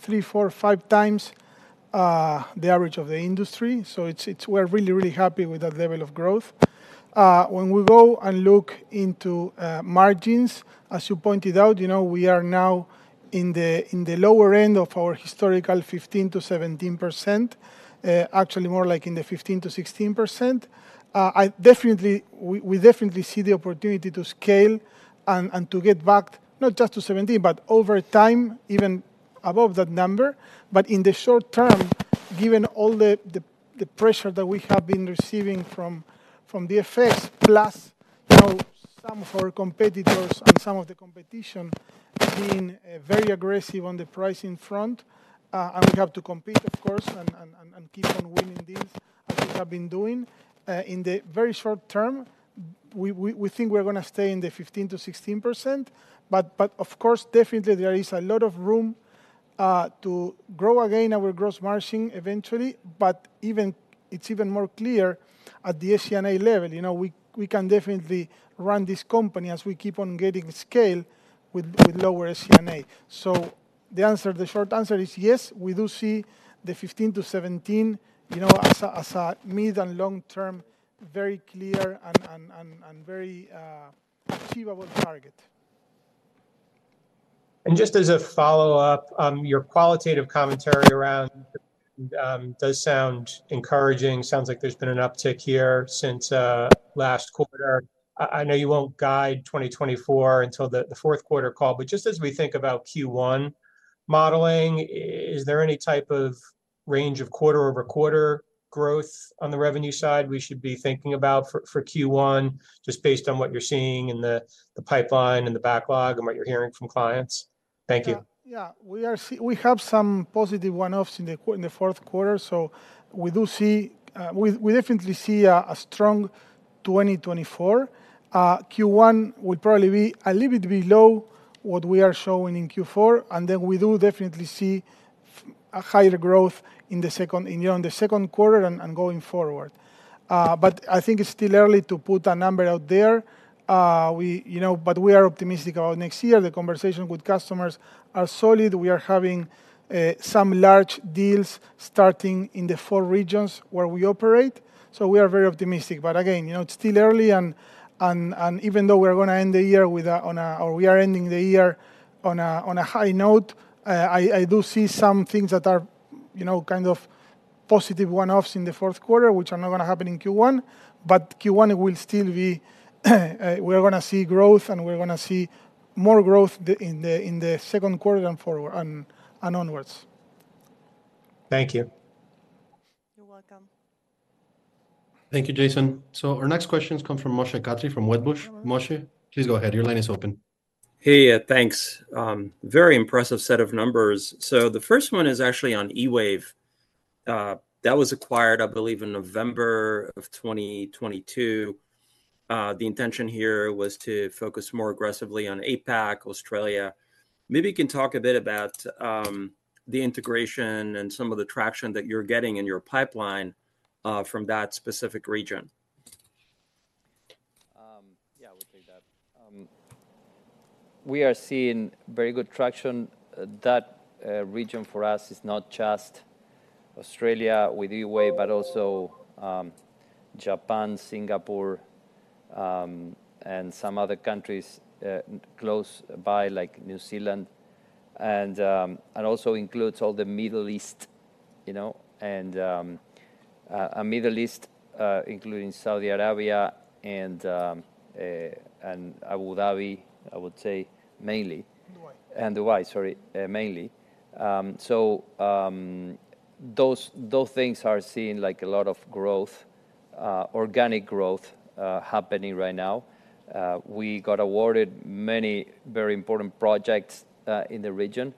three, four, five times the average of the industry, so it's. We're really, really happy with that level of growth. When we go and look into margins, as you pointed out, you know, we are now in the lower end of our historical 15%-17%, actually more like in the 15%-16%. I definitely. We definitely see the opportunity to scale and to get back not just to 17, but over time, even above that number. But in the short term, given all the pressure that we have been receiving from the effects, plus, you know, some of our competitors and some of the competition being very aggressive on the pricing front, and we have to compete, of course, and keep on winning this, as we have been doing. In the very short term, we think we're gonna stay in the 15%-16%, but of course, definitely there is a lot of room to grow again our gross margin eventually. But even... it's even more clear at the SG&A level, you know, we can definitely run this company as we keep on getting scale with lower SG&A. The answer, the short answer is, yes, we do see the 15%-17%, you know, as a mid- and long-term, very clear and very achievable target.
Just as a follow-up, your qualitative commentary around does sound encouraging. Sounds like there's been an uptick here since last quarter. I know you won't guide 2024 until the fourth quarter call, but just as we think about Q1 modeling, is there any type of range of quarter-over-quarter growth on the revenue side we should be thinking about for Q1, just based on what you're seeing in the pipeline and the backlog and what you're hearing from clients? Thank you.
Yeah, yeah. We have some positive one-offs in the fourth quarter, so we do see... We definitely see a strong 2024. Q1 will probably be a little bit below what we are showing in Q4, and then we do definitely see a higher growth in the second, you know, in the second quarter and going forward. But I think it's still early to put a number out there. We, you know, but we are optimistic about next year. The conversation with customers are solid. We are having some large deals starting in the four regions where we operate, so we are very optimistic. But again, you know, it's still early, and even though we're gonna end the year, or we are ending the year, on a high note, I do see some things that are, you know, kind of positive one-offs in the fourth quarter, which are not gonna happen in Q1, but Q1 will still be, we're gonna see growth, and we're gonna see more growth in the second quarter and forward and onwards.
Thank you. You're welcome.
Thank you, Jason. So our next question comes from Moshe Katri from Wedbush. Moshe, please go ahead. Your line is open.
Hey, yeah, thanks. Very impressive set of numbers. So the first one is actually on eWave. That was acquired, I believe, in November of 2022. The intention here was to focus more aggressively on APAC, Australia. Maybe you can talk a bit about the integration and some of the traction that you're getting in your pipeline from that specific region.
Yeah, I will take that. We are seeing very good traction. That region for us is not just Australia with eWave, but also Japan, Singapore, and some other countries close by, like New Zealand, and also includes all the Middle East, you know? And Middle East, including Saudi Arabia and Abu Dhabi, I would say mainly.
Dubai.
Dubai, sorry, mainly. So, those things are seeing, like, a lot of growth, organic growth, happening right now. We got awarded many very important projects, in the region,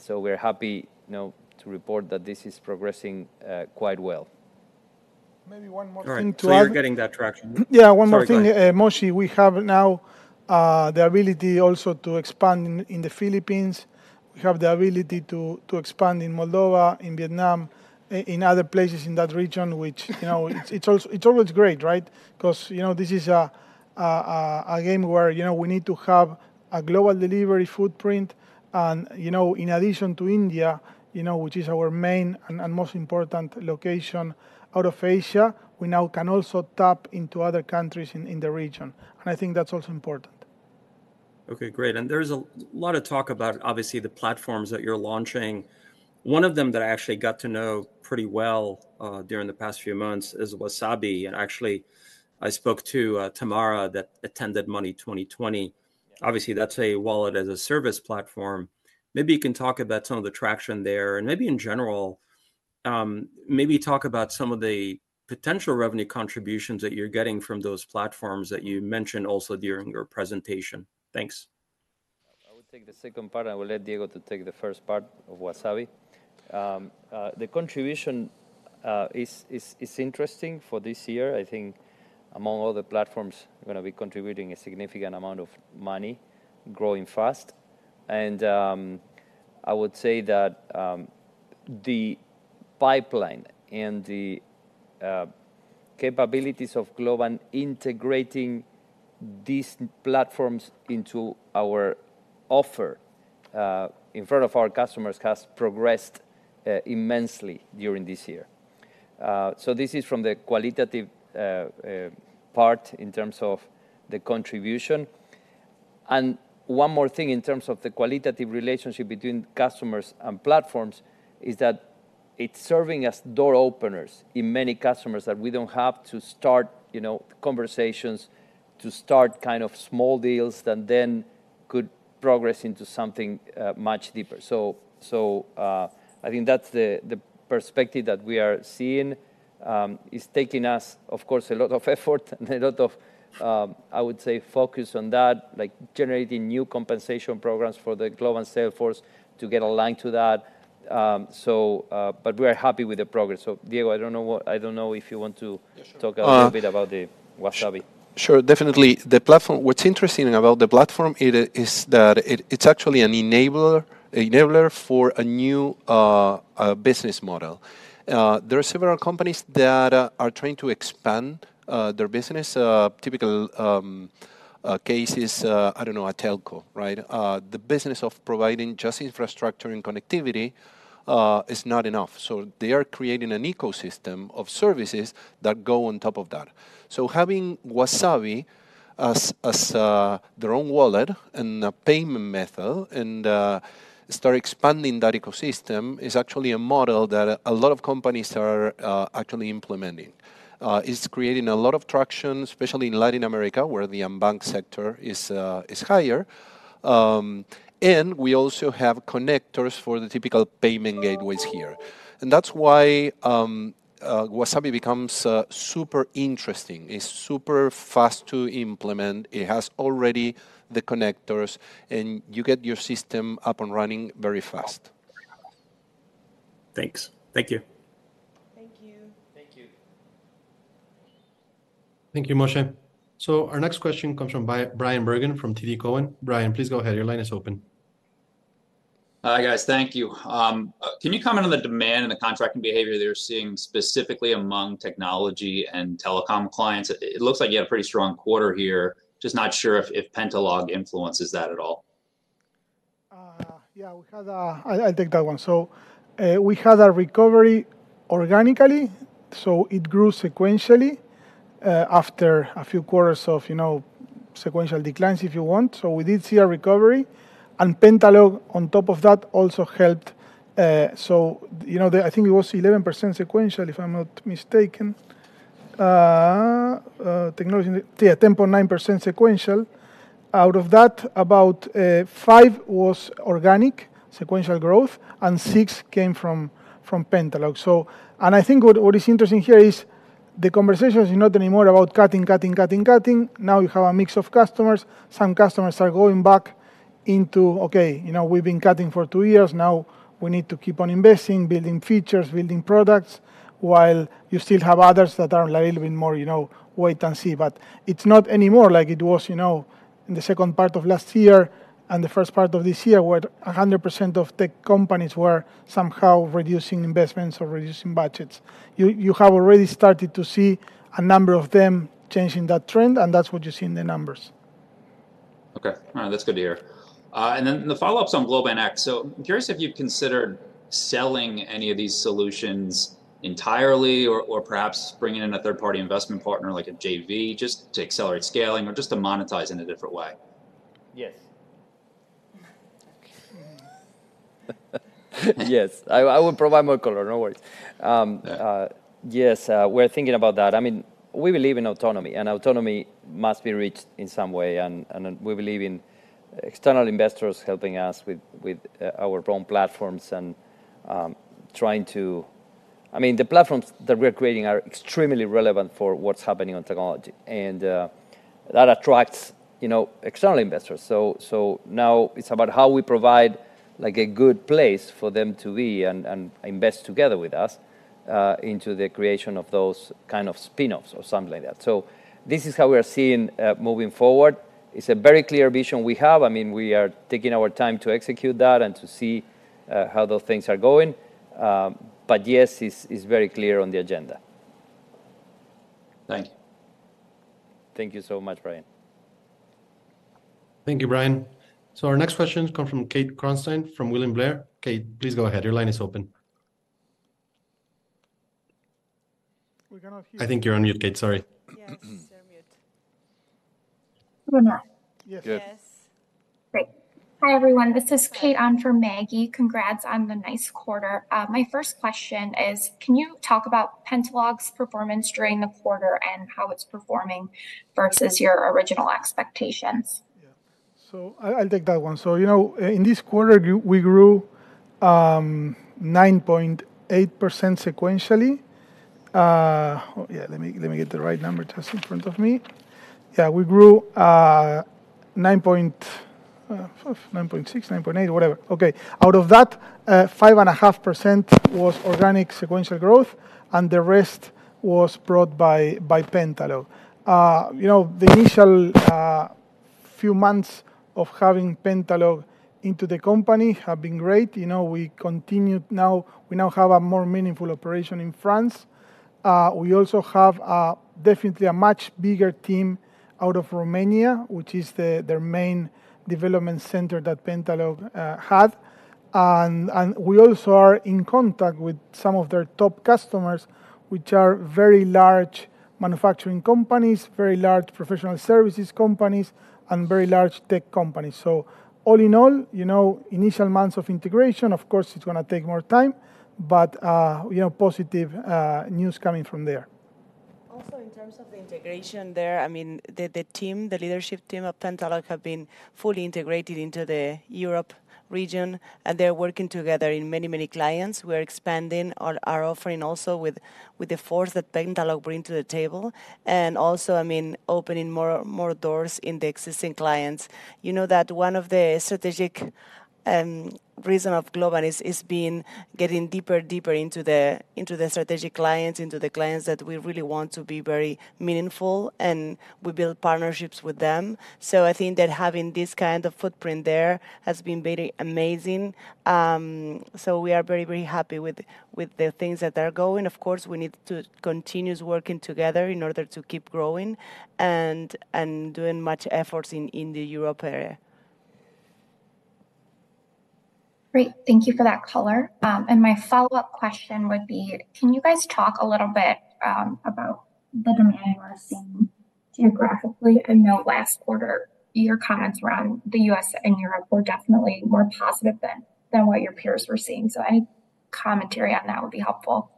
so we're happy, you know, to report that this is progressing, quite well.
Maybe one more thing to add-
All right, so you're getting that traction?
Yeah, one more thing-
Sorry, go ahead.
Moshe, we have now the ability also to expand in the Philippines. We have the ability to expand in Moldova, in Vietnam, in other places in that region, which, you know, it's always great, right? 'Cause, you know, this is a game where, you know, we need to have a global delivery footprint and, you know, in addition to India, you know, which is our main and most important location out of Asia, we now can also tap into other countries in the region, and I think that's also important.
Okay, great. There's a lot of talk about, obviously, the platforms that you're launching. One of them that I actually got to know pretty well during the past few months is WaaSabi, and actually, I spoke to Tamara that attended Money20/20. Obviously, that's a wallet-as-a-service platform. Maybe you can talk about some of the traction there, and maybe in general, maybe talk about some of the potential revenue contributions that you're getting from those platforms that you mentioned also during your presentation. Thanks.
I would take the second part, and I will let Diego to take the first part of WaaSabi. The contribution is interesting for this year. I think among all the platforms, we're gonna be contributing a significant amount of money, growing fast. And I would say that the pipeline and the capabilities of Globant integrating these platforms into our offer in front of our customers has progressed immensely during this year. So this is from the qualitative part in terms of the contribution. And one more thing in terms of the qualitative relationship between customers and platforms is that it's serving as door openers in many customers, that we don't have to start, you know, conversations to start kind of small deals that then could progress into something much deeper. I think that's the perspective that we are seeing. It's taking us, of course, a lot of effort and a lot of, I would say, focus on that, like generating new compensation programs for the global sales force to get aligned to that. But we are happy with the progress. Diego, I don't know what... I don't know if you want to-
Yeah, sure
Talk a little bit about the WaaSabi.
Sure, definitely. What's interesting about the platform is that it's actually an enabler for a new business model. There are several companies that are trying to expand their business. Typical case is, I don't know, a telco, right? The business of providing just infrastructure and connectivity is not enough, so they are creating an ecosystem of services that go on top of that. So having WaaSabi as their own wallet and a payment method and start expanding that ecosystem is actually a model that a lot of companies are actually implementing. It's creating a lot of traction, especially in Latin America, where the unbanked sector is higher. And we also have connectors for the typical payment gateways here. That's why WaaSabi becomes super interesting. It's super fast to implement, it has already the connectors, and you get your system up and running very fast.
Thanks. Thank you.
Thank you, Moshe. So our next question comes from Bryan Bergin from TD Cowen. Bryan, please go ahead. Your line is open.
Hi, guys. Thank you. Can you comment on the demand and the contracting behavior that you're seeing specifically among technology and telecom clients? It looks like you had a pretty strong quarter here, just not sure if Pentalog influences that at all.
Yeah, I'll take that one. So, we had a recovery organically, so it grew sequentially after a few quarters of, you know, sequential declines, if you want. So we did see a recovery, and Pentalog on top of that also helped. So, you know, I think it was 11% sequential, if I'm not mistaken. Technology, yeah, 10.9% sequential. Out of that, about five was organic sequential growth and six came from Pentalog. So... And I think what is interesting here is the conversation is not anymore about cutting, cutting, cutting, cutting. Now, you have a mix of customers. Some customers are going back into, "Okay, you know, we've been cutting for two years. Now, we need to keep on investing, building features, building products," while you still have others that are a little bit more, you know, wait and see. But it's not anymore like it was, you know, in the second part of last year and the first part of this year, where 100% of tech companies were somehow reducing investments or reducing budgets. You, you have already started to see a number of them changing that trend, and that's what you see in the numbers.
Okay. That's good to hear. Then the follow-up's on Globant X. So I'm curious if you've considered selling any of these solutions entirely, or, or perhaps bringing in a third-party investment partner, like a JV, just to accelerate scaling or just to monetize in a different way?
Yes.
Yes, I will provide more color, no worries. Yes, we're thinking about that. I mean, we believe in autonomy, and autonomy must be reached in some way, and we believe in external investors helping us with our own platforms and trying to... I mean, the platforms that we're creating are extremely relevant for what's happening on technology, and that attracts, you know, external investors. So now it's about how we provide, like, a good place for them to be and invest together with us into the creation of those kind of spin-offs or something like that. So this is how we are seeing moving forward. It's a very clear vision we have. I mean, we are taking our time to execute that and to see how those things are going. Yes, it's very clear on the agenda.
Thank you.
Thank you so much, Bryan.
Thank you, Bryan. So our next question comes from Kate Kronstein, from William Blair. Kate, please go ahead. Your line is open.
We cannot hear you.
I think you're on mute, Kate. Sorry.
Yes, you're mute.
Am I not?
Yes.
Yes.
Great. Hi, everyone. This is Kate on for Maggie. Congrats on the nice quarter. My first question is, can you talk about Pentalog's performance during the quarter and how it's performing versus your original expectations?
Yeah. So I'll take that one. So, you know, in this quarter, we grew 9.8% sequentially. Oh, yeah, let me get the right number. It's in front of me. Yeah, we grew nine point... nine point six, 9.8%, whatever. Okay. Out of that, 5.5% was organic sequential growth, and the rest was brought by Pentalog. You know, the initial few months of having Pentalog into the company have been great. You know, we continue now, we now have a more meaningful operation in France. We also have definitely a much bigger team out of Romania, which is their main development center that Pentalog had. We also are in contact with some of their top customers, which are very large manufacturing companies, very large professional services companies, and very large tech companies. So all in all, you know, initial months of integration, of course, it's gonna take more time, but you know, positive news coming from there.
Also, in terms of the integration there, I mean, the team, the leadership team of Pentalog have been fully integrated into the Europe region, and they're working together in many, many clients. We're expanding our offering also with the force that Pentalog bring to the table, and also, I mean, opening more doors in the existing clients. You know that one of the strategic reason of Globant is being getting deeper into the strategic clients, into the clients that we really want to be very meaningful, and we build partnerships with them. So I think that having this kind of footprint there has been very amazing. So we are very, very happy with the things that are going. Of course, we need to continue working together in order to keep growing and doing much efforts in the Europe area.
Great. Thank you for that color. And my follow-up question would be: Can you guys talk a little bit about the demand we're seeing geographically? I know last quarter, your comments around the U.S. and Europe were definitely more positive than what your peers were seeing. So any commentary on that would be helpful.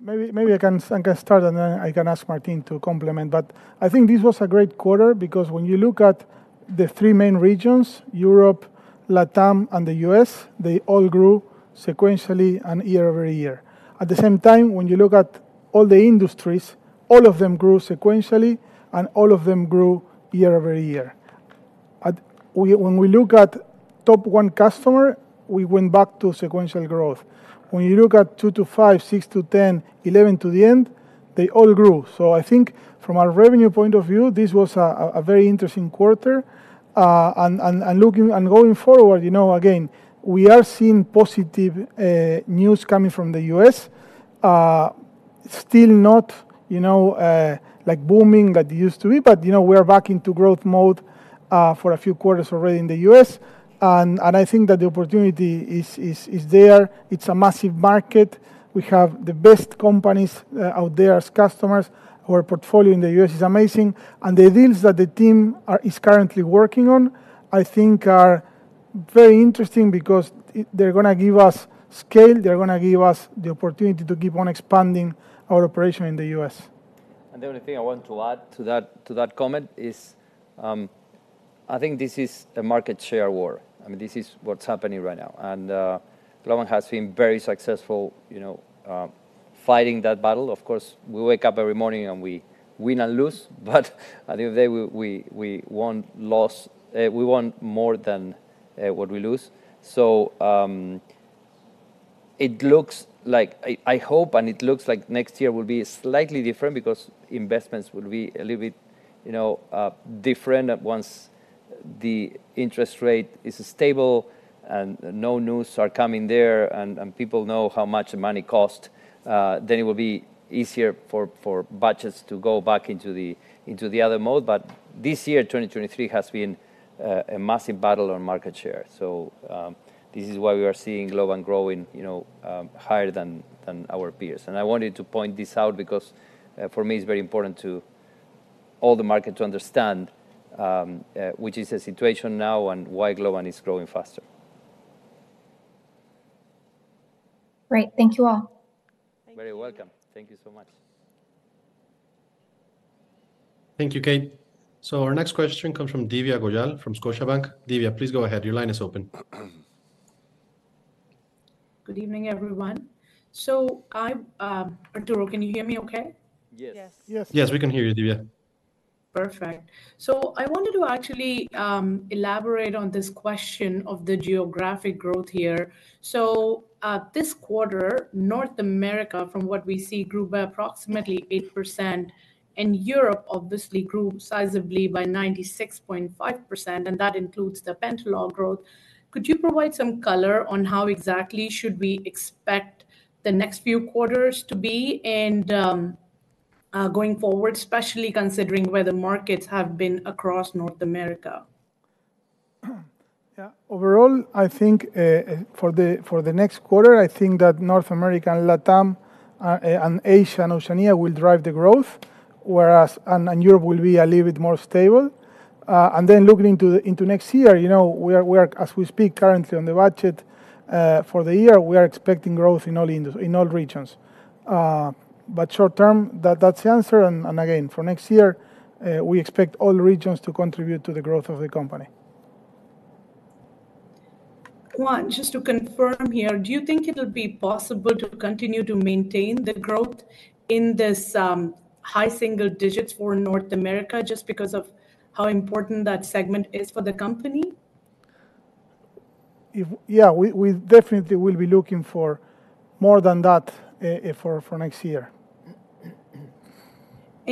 Maybe, maybe I can, I can start, and then I can ask Martín to complement. But I think this was a great quarter because when you look at the three main regions, Europe, LATAM, and the U.S., they all grew sequentially and year-over-year. At the same time, when you look at all the industries, all of them grew sequentially, and all of them grew year-over-year. We, when we look at top one customer, we went back to sequential growth. When you look at 2-5, 6-10, 11 to the end, they all grew. So I think from a revenue point of view, this was a very interesting quarter. And looking and going forward, you know, again, we are seeing positive news coming from the U.S. Still not, you know, like booming like it used to be, but, you know, we're back into growth mode for a few quarters already in the U.S. And I think that the opportunity is there. It's a massive market. We have the best companies out there as customers. Our portfolio in the U.S. is amazing, and the deals that the team is currently working on, I think are very interesting because they're gonna give us scale. They're gonna give us the opportunity to keep on expanding our operation in the U.S.
The only thing I want to add to that, to that comment is, I think this is a market share war. I mean, this is what's happening right now, and Globant has been very successful, you know, fighting that battle. Of course, we wake up every morning and we win and lose, but at the end of day, we won more than what we lose. So, it looks like... I hope, and it looks like next year will be slightly different because investments will be a little bit, you know, different once the interest rate is stable and no news are coming there, and people know how much the money cost, then it will be easier for budgets to go back into the other mode. But this year, 2023, has been a massive battle on market share. So, this is why we are seeing Globant growing, you know, higher than our peers. And I wanted to point this out because, for me, it's very important to all the market to understand which is the situation now and why Globant is growing faster.
Great. Thank you, all.
Thank you.
Very welcome. Thank you so much.
Thank you, Kate. So our next question comes from Divya Goyal from Scotiabank. Divya, please go ahead. Your line is open.
Good evening, everyone. So I, Arturo, can you hear me okay?
Yes.
Yes.
Yes.
Yes, we can hear you, Divya.
Perfect. So I wanted to actually elaborate on this question of the geographic growth here. So this quarter, North America, from what we see, grew by approximately 8%, and Europe obviously grew sizably by 96.5%, and that includes the Pentalog growth. Could you provide some color on how exactly should we expect the next few quarters to be? And going forward, especially considering where the markets have been across North America.
Yeah. Overall, I think, for the next quarter, I think that North America and LATAM, and Asia and Oceania will drive the growth, whereas Europe will be a little bit more stable. And then looking into next year, you know, we are, as we speak currently on the budget for the year, we are expecting growth in all regions. But short term, that's the answer, and again, for next year, we expect all regions to contribute to the growth of the company.
Juan, just to confirm here, do you think it'll be possible to continue to maintain the growth in this, high single digits for North America, just because of how important that segment is for the company?
Yeah, we definitely will be looking for more than that for next year.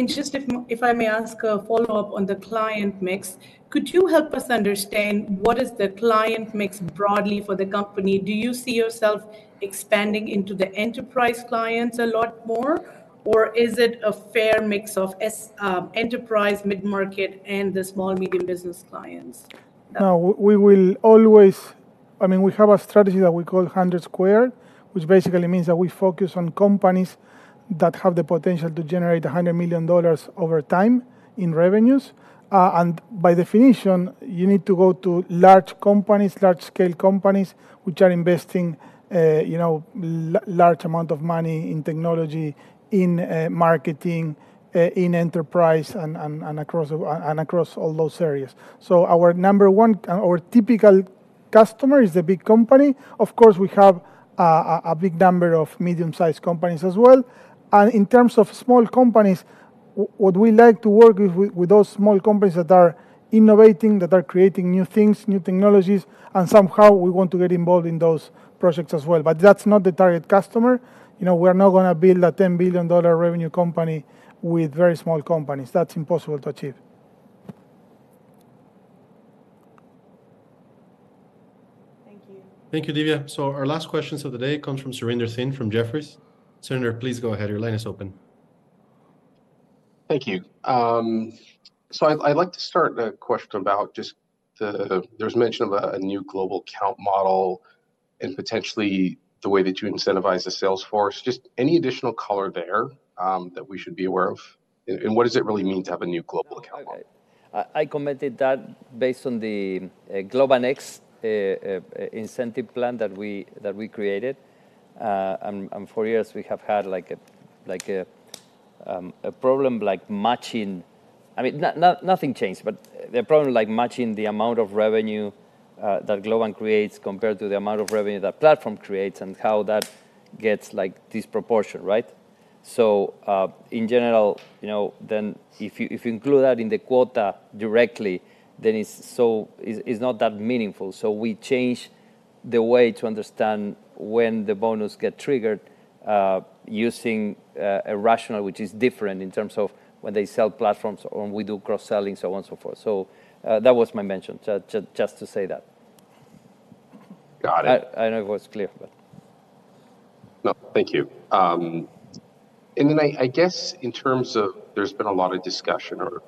Just if I may ask a follow-up on the client mix, could you help us understand what is the client mix broadly for the company? Do you see yourself expanding into the enterprise clients a lot more, or is it a fair mix of enterprise, mid-market, and the small medium business clients?
No, we will always—I mean, we have a strategy that we call 100 Squared, which basically means that we focus on companies that have the potential to generate $100 million over time in revenues. And by definition, you need to go to large companies, large-scale companies, which are investing, you know, large amount of money in technology, in marketing, in enterprise, and across all those areas. So our number one, our typical customer is a big company. Of course, we have a big number of medium-sized companies as well. And in terms of small companies, what we like to work with, with those small companies that are innovating, that are creating new things, new technologies, and somehow we want to get involved in those projects as well. But that's not the target customer. You know, we are not gonna build a $10 billion revenue company with very small companies. That's impossible to achieve.
Thank you.
Thank you, Divya. So our last questions of the day comes from Surinder Thind from Jefferies. Surinder, please go ahead. Your line is open.
Thank you. So I'd like to start a question about just the... There was mention of a new global account model and potentially the way that you incentivize the sales force. Just any additional color there that we should be aware of? And what does it really mean to have a new global account model?
Okay. I commented that based on the Globant X incentive plan that we created, and for years we have had like a problem, like matching... I mean, nothing changed, but the problem, like matching the amount of revenue that Globant creates compared to the amount of revenue that Platform creates, and how that gets, like, disproportion, right? So, in general, you know, then if you include that in the quota directly, then it's not that meaningful. So we change the way to understand when the bonus get triggered, using a rationale which is different in terms of when they sell platforms or when we do cross-selling, so on, so forth. So, that was my mention. Just to say that.
Got it.
I don't know if it was clear, but-
No, thank you. And then I guess in terms of there's been a lot of discussion or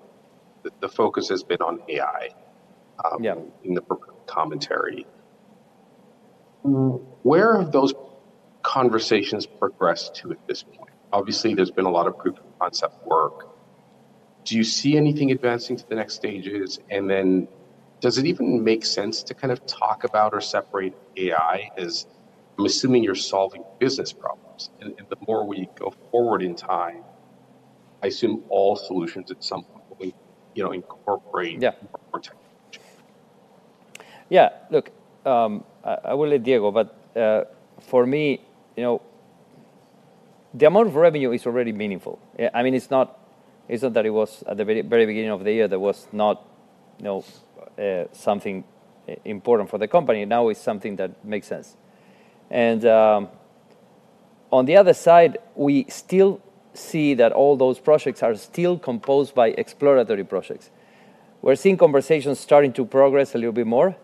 the focus has been on AI-
Yeah...
in the commentary. Where have those conversations progressed to at this point? Obviously, there's been a lot of proof of concept work. Do you see anything advancing to the next stages? And then does it even make sense to kind of talk about or separate AI? As I'm assuming you're solving business problems, and, and the more we go forward in time, I assume all solutions at some point will, you know, incorporate-
Yeah
-more technology.
Yeah. Look, I will let Diego, but, for me, you know, the amount of revenue is already meaningful. Yeah, I mean, it's not, it's not that it was at the very, very beginning of the year, there was not, you know, something important for the company. Now it's something that makes sense. And, on the other side, we still see that all those projects are still composed by exploratory projects. We're seeing conversations starting to progress a little bit more,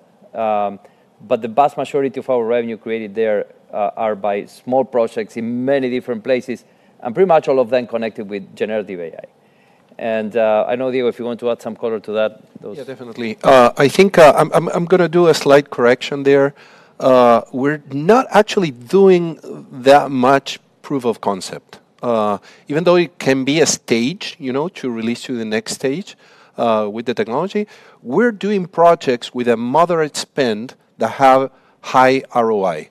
but the vast majority of our revenue created there, are by small projects in many different places, and pretty much all of them connected with generative AI. And, I know, Diego, if you want to add some color to that, those-
Yeah, definitely. I think, I'm gonna do a slight correction there. We're not actually doing that much proof of concept. Even though it can be a stage, you know, to release to the next stage, with the technology, we're doing projects with a moderate spend that have high ROI,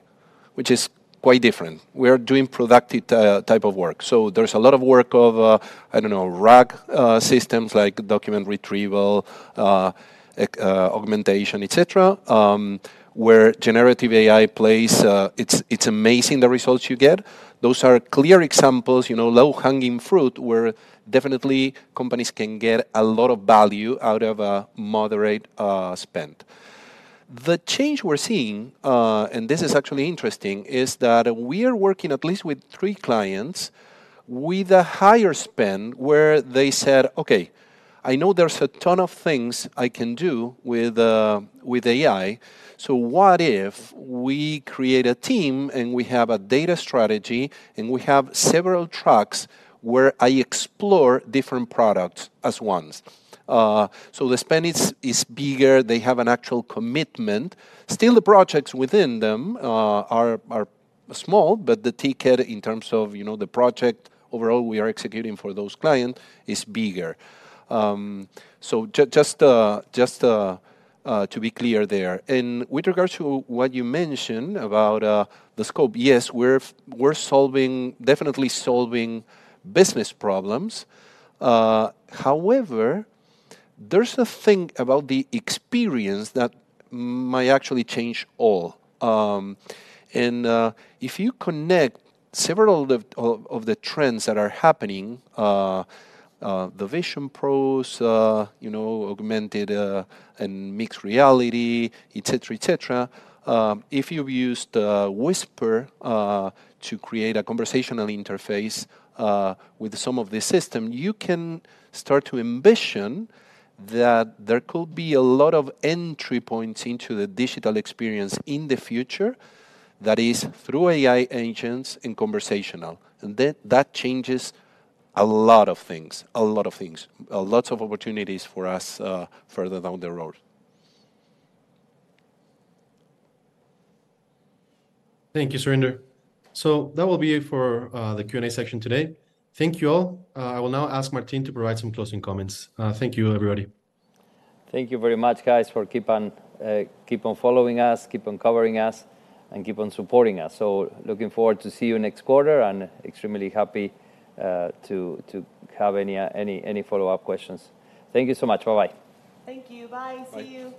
which is quite different. We are doing productive type of work. So there's a lot of work of, I don't know, RAG systems like document retrieval, augmentation, et cetera, where generative AI plays... It's amazing the results you get. Those are clear examples, you know, low-hanging fruit, where definitely companies can get a lot of value out of a moderate spend. The change we're seeing, and this is actually interesting, is that we are working at least with three clients with a higher spend, where they said, "Okay, I know there's a ton of things I can do with, with AI, so what if we create a team, and we have a data strategy, and we have several tracks where I explore different products as ones?" So the spend is bigger. They have an actual commitment. Still, the projects within them are small, but the ticket in terms of, you know, the project overall we are executing for those client is bigger. So just to be clear there. And with regards to what you mentioned about the scope, yes, we're solving, definitely solving business problems. However, there's a thing about the experience that might actually change all. And if you connect several of the trends that are happening, the Vision Pro, you know, augmented and mixed reality, et cetera, et cetera, if you've used Whisper to create a conversational interface with some of the system, you can start to ambition that there could be a lot of entry points into the digital experience in the future that is through AI agents and conversational. And then that changes a lot of things, a lot of things. Lots of opportunities for us further down the road.
Thank you, Surinder. So that will be it for the Q&A section today. Thank you, all. I will now ask Martin to provide some closing comments. Thank you, everybody.
Thank you very much, guys, for keep on, keep on following us, keep on covering us, and keep on supporting us. So looking forward to see you next quarter and extremely happy to have any follow-up questions. Thank you so much. Bye-bye.
Thank you. Bye. See you.